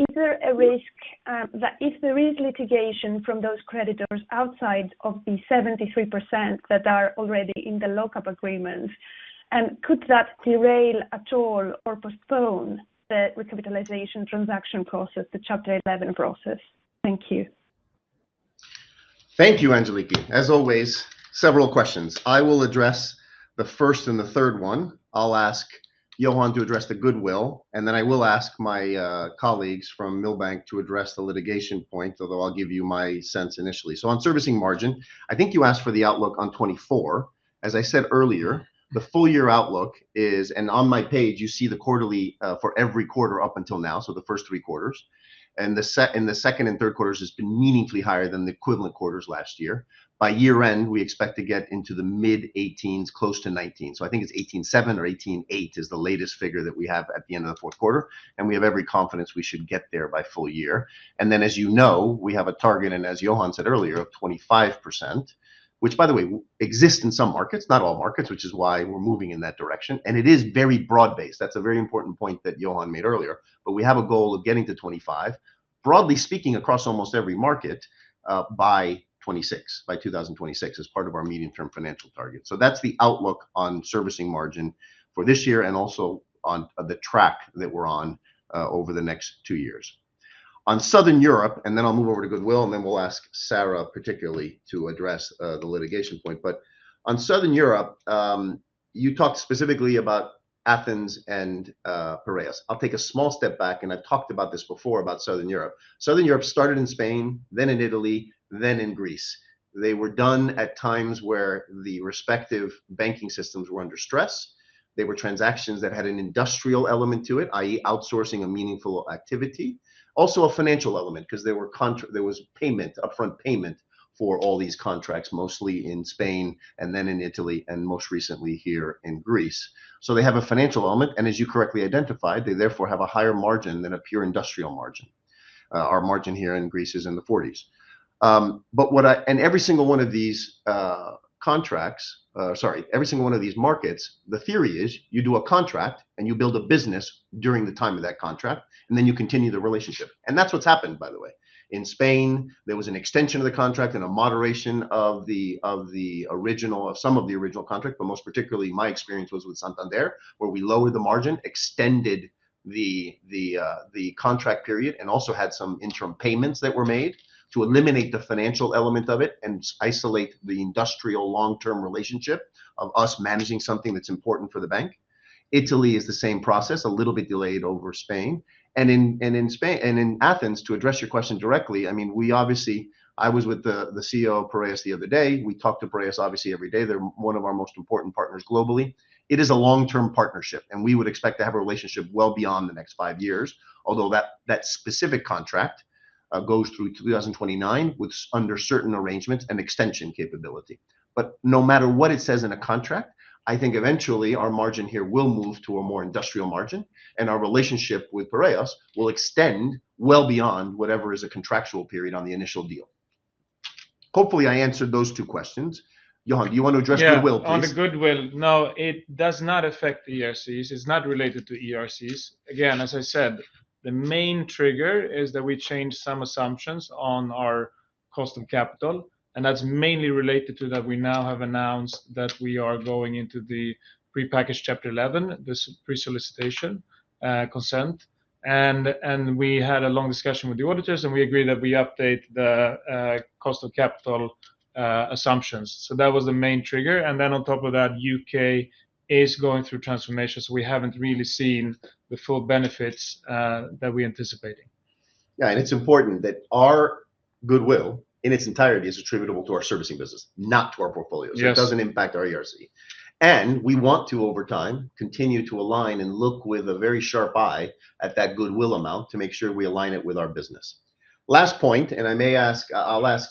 Is there a risk that if there is litigation from those creditors outside of the 73% that are already in the lock-up agreement, and could that derail at all or postpone the recapitalization transaction process, the Chapter 11 process? Thank you. Thank you, Angeliki. As always, several questions. I will address the first and the third one. I'll ask Johan to address the goodwill, and then I will ask my colleagues from Milbank to address the litigation point, although I'll give you my sense initially. On servicing margin, I think you asked for the outlook on '24. As I said earlier, the full year outlook is- and on my page, you see the quarterly for every quarter up until now, so the first three quarters, and the second and third quarters has been meaningfully higher than the equivalent quarters last year. By year end, we expect to get into the mid-18s, close to 19. I think it's 18.7 or 18.8 is the latest figure that we have at the end of the fourth quarter, and we have every confidence we should get there by full year. And then, as you know, we have a target, and as Johan said earlier, of 25%, which, by the way, exists in some markets, not all markets, which is why we're moving in that direction, and it is very broad-based. That's a very important point that Johan made earlier. But we have a goal of getting to 25%, broadly speaking, across almost every market by 2026, by 2026, as part of our medium-term financial target. So that's the outlook on servicing margin for this year and also on the track that we're on over the next two years. On Southern Europe, and then I'll move over to goodwill, and then we'll ask Sarah particularly to address the litigation point. But on Southern Europe, you talked specifically about Athens and Piraeus. I'll take a small step back, and I've talked about this before, about Southern Europe. Southern Europe started in Spain, then in Italy, then in Greece. They were done at times where the respective banking systems were under stress. They were transactions that had an industrial element to it, i.e., outsourcing a meaningful activity. Also, a financial element, 'cause there was payment, upfront payment for all these contracts, mostly in Spain and then in Italy, and most recently, here in Greece. So they have a financial element, and as you correctly identified, they therefore have a higher margin than a pure industrial margin. Our margin here in Greece is in the 40s. And every single one of these markets, the theory is you do a contract, and you build a business during the time of that contract, and then you continue the relationship, and that's what's happened, by the way. In Spain, there was an extension of the contract and a moderation of some of the original contract, but most particularly, my experience was with Santander, where we lowered the margin, extended the contract period, and also had some interim payments that were made to eliminate the financial element of it and isolate the industrial long-term relationship of us managing something that's important for the bank. Italy is the same process, a little bit delayed over Spain. In Spain and in Athens, to address your question directly, I mean, we obviously I was with the CEO of Piraeus the other day. We talk to Piraeus, obviously, every day. They're one of our most important partners globally. It is a long-term partnership, and we would expect to have a relationship well beyond the next five years, although that specific contract goes through to 2029, with under certain arrangements, an extension capability. But no matter what it says in a contract, I think eventually our margin here will move to a more industrial margin, and our relationship with Piraeus will extend well beyond whatever is a contractual period on the initial deal. Hopefully, I answered those two questions. Johan, do you want to address the goodwill, please? Yeah, on the goodwill, no, it does not affect ERCs. It's not related to ERCs. Again, as I said, the main trigger is that we changed some assumptions on our cost of capital, and that's mainly related to that we now have announced that we are going into the prepackaged Chapter 11, this pre-solicitation consent. And we had a long discussion with the auditors, and we agreed that we update the cost of capital assumptions. So that was the main trigger, and then on top of that, UK is going through transformation, so we haven't really seen the full benefits that we're anticipating. Yeah, and it's important that our goodwill, in its entirety, is attributable to our servicing business, not to our portfolio. Yes. It doesn't impact our ERC. We want to, over time, continue to align and look with a very sharp eye at that goodwill amount to make sure we align it with our business. Last point, and I may ask... I'll ask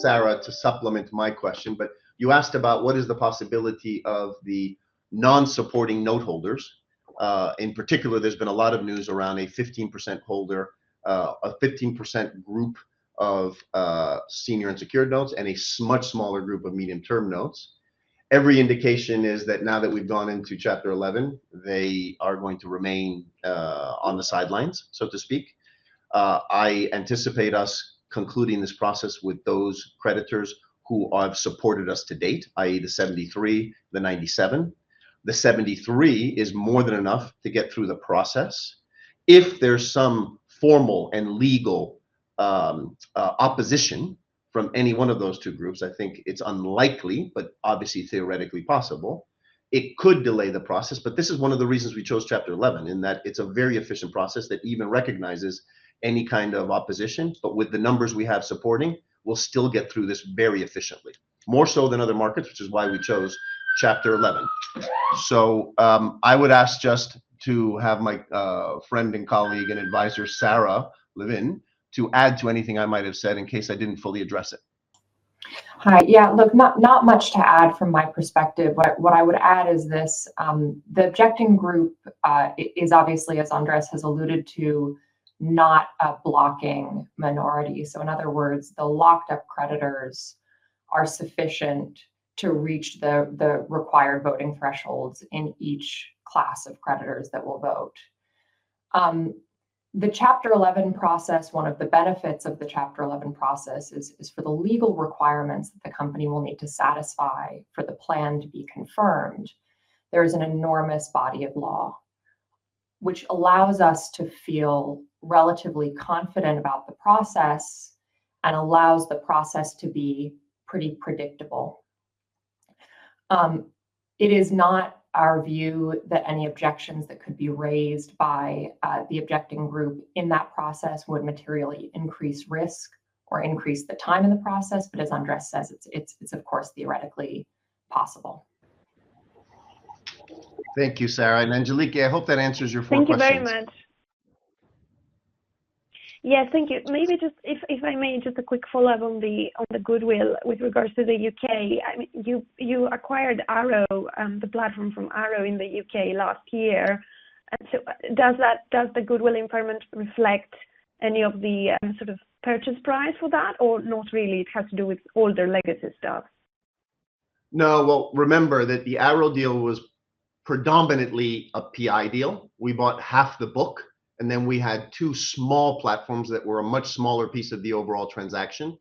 Sarah to supplement my question, but you asked about what is the possibility of the non-supporting noteholders. In particular, there's been a lot of news around a 15% holder, a 15% group of senior unsecured notes and a much smaller group of medium-term notes. Every indication is that now that we've gone into Chapter 11, they are going to remain on the sidelines, so to speak. I anticipate us concluding this process with those creditors who have supported us to date, i.e., the 73, the 97. The seventy-three is more than enough to get through the process. If there's some formal and legal opposition from any one of those two groups, I think it's unlikely, but obviously theoretically possible, it could delay the process. But this is one of the reasons we chose Chapter 11, in that it's a very efficient process that even recognizes any kind of opposition. But with the numbers we have supporting, we'll still get through this very efficiently, more so than other markets, which is why we chose Chapter 11. So, I would ask just to have my friend and colleague and advisor, Sarah Levin, to add to anything I might have said in case I didn't fully address it. Hi. Yeah, look, not much to add from my perspective. What I would add is this: the objecting group is obviously, as Andrés has alluded to, not a blocking minority. So in other words, the locked-up creditors are sufficient to reach the required voting thresholds in each class of creditors that will vote. The Chapter 11 process, one of the benefits of the Chapter 11 process is for the legal requirements that the company will need to satisfy for the plan to be confirmed. There is an enormous body of law which allows us to feel relatively confident about the process, and allows the process to be pretty predictable. It is not our view that any objections that could be raised by the objecting group in that process would materially increase risk or increase the time in the process, but as Andrés says, it's of course, theoretically possible. Thank you, Sarah, and Angeliki. I hope that answers your four questions. Thank you very much. Yeah, thank you. Maybe just if I may, just a quick follow-up on the goodwill with regards to the UK. I mean, you acquired Arrow, the platform from Arrow in the UK last year, and so, does the goodwill impairment reflect any of the sort of purchase price for that? Or not really, it has to do with older legacy stuff. No. Well, remember that the Arrow deal was predominantly a PI deal. We bought half the book, and then we had two small platforms that were a much smaller piece of the overall transaction.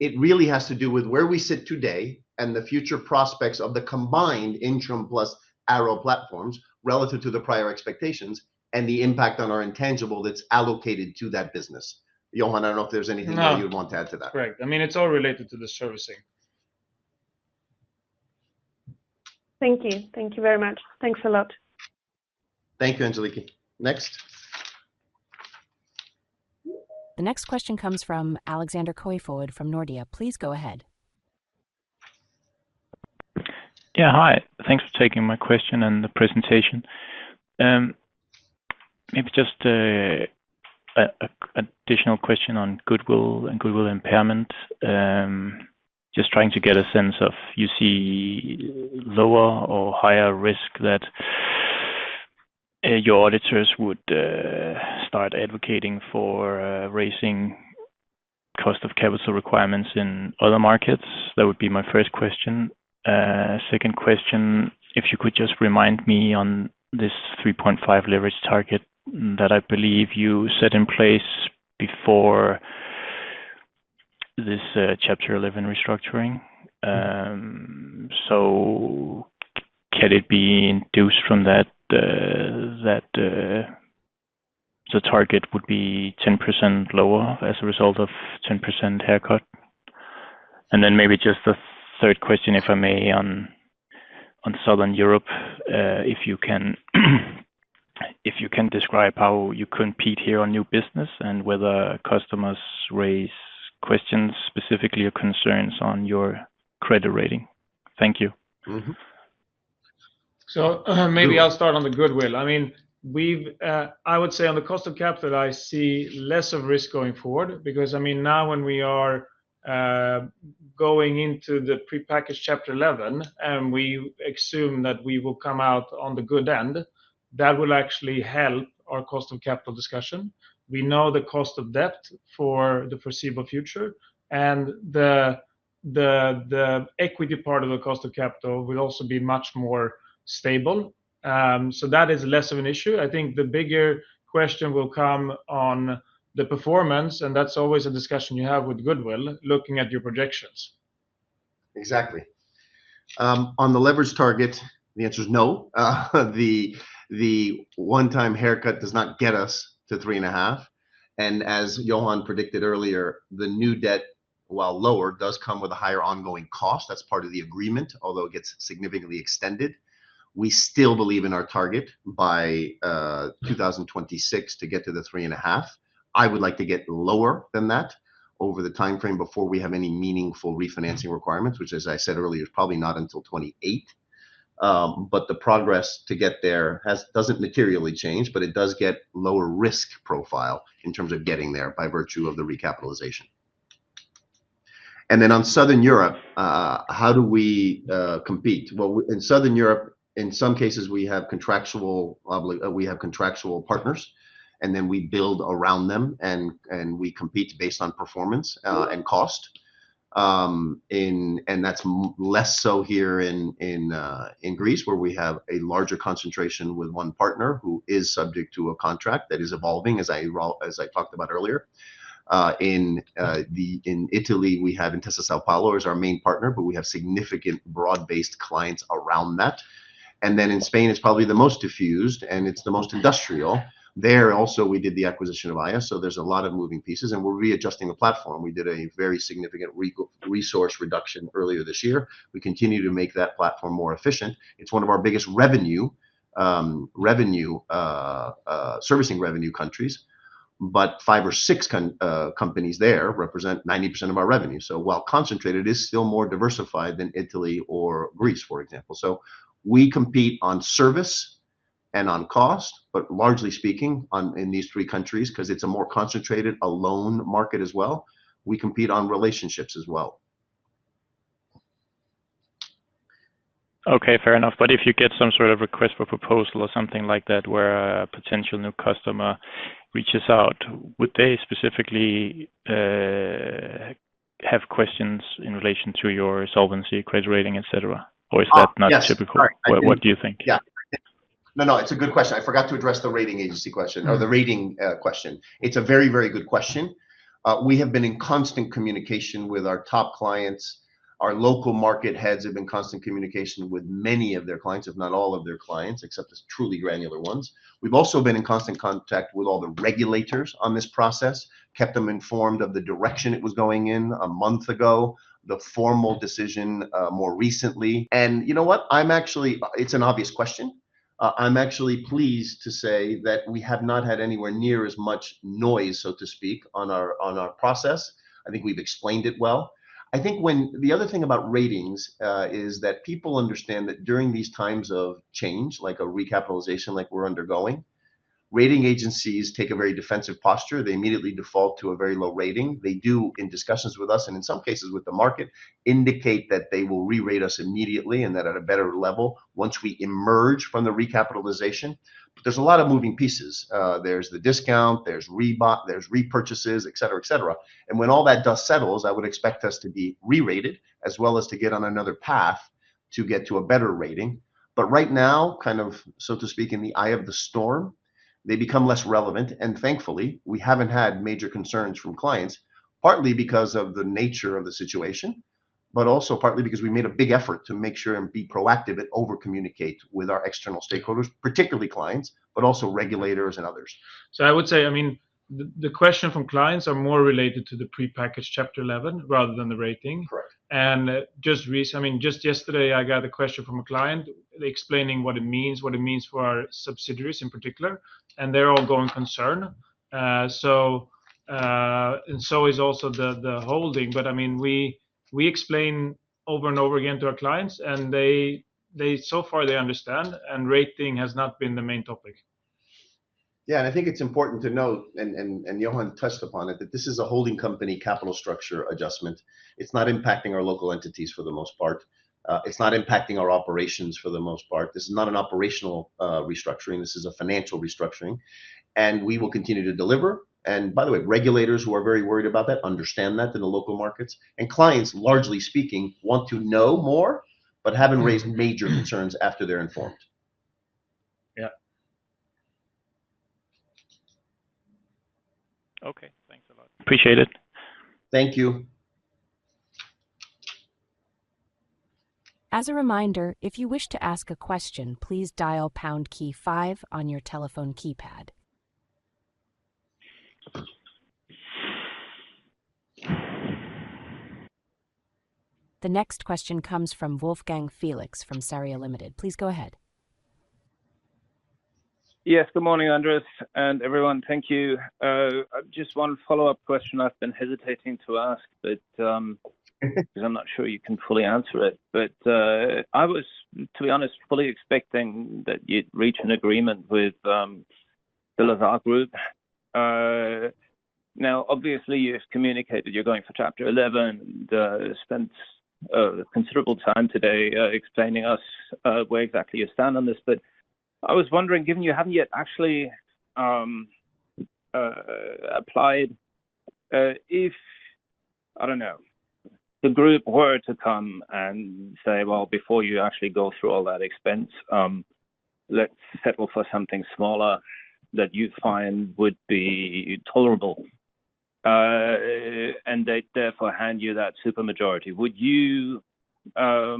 It really has to do with where we sit today and the future prospects of the combined Intrum plus Arrow platforms relative to the prior expectations and the impact on our intangible that's allocated to that business. Johan, I don't know if there's anything that you'd want to add to that. No. Correct. I mean, it's all related to the servicing. Thank you. Thank you very much. Thanks a lot. Thank you, Angeliki. Next? The next question comes from Alexander Koyfman from Nordea. Please go ahead. Yeah, hi. Thanks for taking my question and the presentation. Maybe just an additional question on goodwill and goodwill impairment. Just trying to get a sense of you see lower or higher risk that your auditors would start advocating for raising cost of capital requirements in other markets? That would be my first question. Second question, if you could just remind me on this 3.5 leverage target that I believe you set in place before this Chapter 11 restructuring. So can it be induced from that that the target would be 10% lower as a result of 10% haircut? And then maybe just a third question, if I may, on Southern Europe, if you can describe how you compete here on new business, and whether customers raise questions, specifically or concerns on your credit rating? Thank you. Mm-hmm. So maybe I'll start on the goodwill. I mean, we've. I would say on the cost of capital, I see less of risk going forward because, I mean, now when we are going into the prepackaged Chapter 11, and we assume that we will come out on the good end, that will actually help our cost of capital discussion. We know the cost of debt for the foreseeable future, and the equity part of the cost of capital will also be much more stable. So that is less of an issue. I think the bigger question will come on the performance, and that's always a discussion you have with goodwill, looking at your projections. Exactly. On the leverage target, the answer is no. The one-time haircut does not get us to three and a half, and as Johan predicted earlier, the new debt, while lower, does come with a higher ongoing cost. That's part of the agreement, although it gets significantly extended. We still believe in our target by 2026 to get to the three and a half. I would like to get lower than that over the timeframe before we have any meaningful refinancing requirements, which, as I said earlier, is probably not until 2028. But the progress to get there doesn't materially change, but it does get lower risk profile in terms of getting there by virtue of the recapitalization. And then on Southern Europe, how do we compete? In Southern Europe, in some cases, we have contractual partners, and then we build around them, and we compete based on performance, and cost. That's less so here in Greece, where we have a larger concentration with one partner who is subject to a contract that is evolving, as I talked about earlier. In Italy, we have Intesa Sanpaolo as our main partner, but we have significant broad-based clients around that. Then in Spain, it's probably the most diffused, and it's the most industrial. There also, we did the acquisition of Haya, so there's a lot of moving pieces, and we're readjusting the platform. We did a very significant resource reduction earlier this year. We continue to make that platform more efficient. It's one of our biggest revenue servicing revenue countries, but five or six companies there represent 90% of our revenue. So while concentrated, it is still more diversified than Italy or Greece, for example. So we compete on service and on cost, but largely speaking, in these three countries, 'cause it's a more concentrated loan market as well, we compete on relationships as well. Okay, fair enough. But if you get some sort of request for proposal or something like that, where a potential new customer reaches out, would they specifically have questions in relation to your solvency, credit rating, et cetera? Or is that not typical? Yes. Sorry, I did- What, what do you think? Yeah. No, no, it's a good question. I forgot to address the rating agency question or the rating question. It's a very, very good question. We have been in constant communication with our top clients. Our local market heads have been in constant communication with many of their clients, if not all of their clients, except the truly granular ones. We've also been in constant contact with all the regulators on this process, kept them informed of the direction it was going in a month ago, the formal decision, more recently. And you know what? It's an obvious question. I'm actually pleased to say that we have not had anywhere near as much noise, so to speak, on our process. I think we've explained it well. I think when... The other thing about ratings is that people understand that during these times of change, like a recapitalization, like we're undergoing, rating agencies take a very defensive posture. They immediately default to a very low rating. They do, in discussions with us and in some cases with the market, indicate that they will re-rate us immediately, and then at a better level, once we emerge from the recapitalization, but there's a lot of moving pieces. There's the discount, there's repurchases, et cetera, et cetera, and when all that dust settles, I would expect us to be re-rated, as well as to get on another path to get to a better rating, but right now, kind of, so to speak, in the eye of the storm, they become less relevant, and thankfully, we haven't had major concerns from clients. Partly because of the nature of the situation, but also partly because we made a big effort to make sure and be proactive and over-communicate with our external stakeholders, particularly clients, but also regulators and others. I would say, I mean, the question from clients are more related to the prepackaged Chapter 11 rather than the rating. Correct. I mean, just yesterday, I got a question from a client explaining what it means for our subsidiaries, in particular, and their going concern. So, and so is also the holding. But I mean, we explain over and over again to our clients, and they so far understand, and rating has not been the main topic. Yeah, and I think it's important to note, and Johan touched upon it, that this is a holding company capital structure adjustment. It's not impacting our local entities for the most part. It's not impacting our operations for the most part. This is not an operational restructuring, this is a financial restructuring, and we will continue to deliver. And by the way, regulators who are very worried about that understand that in the local markets, and clients, largely speaking, want to know more, but haven't raised major concerns after they're informed. Yeah. Okay, thanks a lot. Appreciate it. Thank you. As a reminder, if you wish to ask a question, please dial pound key five on your telephone keypad. The next question comes from Wolfgang Felix from Sarria Limited. Please go ahead. Yes, good morning, Andrés, and everyone. Thank you. Just one follow-up question I've been hesitating to ask, but 'cause I'm not sure you can fully answer it. But, to be honest, I was fully expecting that you'd reach an agreement with the Lazard Group. Now, obviously, you've communicated you're going for Chapter 11, and spent considerable time today explaining us where exactly you stand on this. But I was wondering, given you haven't yet actually applied, if, I don't know, the group were to come and say, "Well, before you actually go through all that expense, let's settle for something smaller that you'd find would be tolerable," and they'd therefore hand you that super majority. Would you, I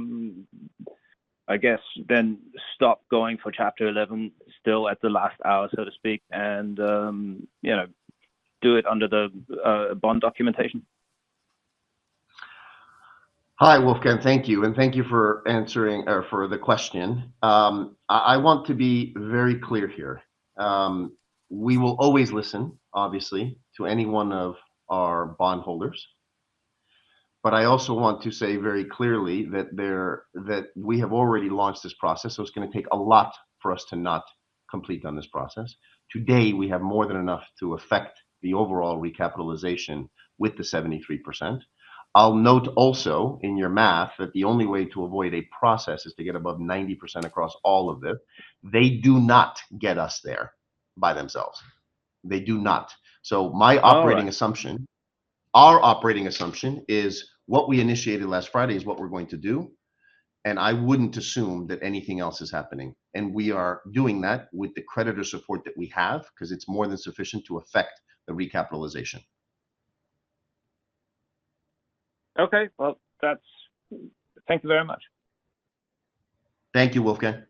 guess, then stop going for Chapter 11, still at the last hour, so to speak, and, you know, do it under the bond documentation? Hi, Wolfgang. Thank you, and thank you for answering, or for the question. I want to be very clear here. We will always listen, obviously, to any one of our bondholders, but I also want to say very clearly that we have already launched this process, so it's going to take a lot for us to not complete on this process. Today, we have more than enough to affect the overall recapitalization with the 73%. I'll note also, in your math, that the only way to avoid a process is to get above 90% across all of it. They do not get us there by themselves. They do not. All right. My operating assumption, our operating assumption, is what we initiated last Friday is what we're going to do, and I wouldn't assume that anything else is happening. We are doing that with the creditor support that we have, 'cause it's more than sufficient to effect the recapitalization. Okay, well, that's... Thank you very much. Thank you, Wolfgang.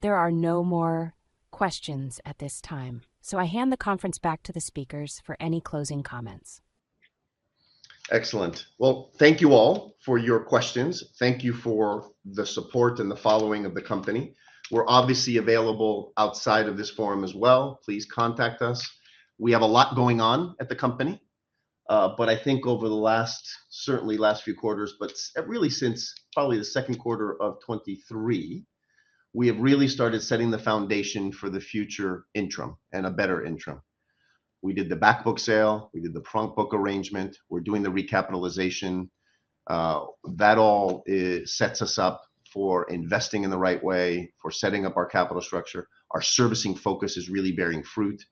There are no more questions at this time, so I hand the conference back to the speakers for any closing comments. Excellent. Well, thank you all for your questions. Thank you for the support and the following of the company. We're obviously available outside of this forum as well. Please contact us. We have a lot going on at the company, but I think over the last, certainly last few quarters, but really since probably the second quarter of 2023, we have really started setting the foundation for the future Intrum and a better Intrum. We did the back book sale, we did the front book arrangement, we're doing the recapitalization. That all sets us up for investing in the right way, for setting up our capital structure. Our servicing focus is really bearing fruit.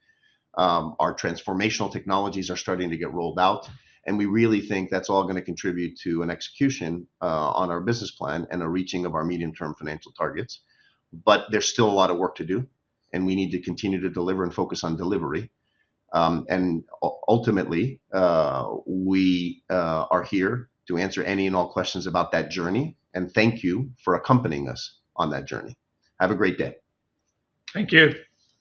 Our transformational technologies are starting to get rolled out, and we really think that's all going to contribute to an execution on our business plan and a reaching of our medium-term financial targets. But there's still a lot of work to do, and we need to continue to deliver and focus on delivery. Ultimately, we are here to answer any and all questions about that journey, and thank you for accompanying us on that journey. Have a great day. Thank you.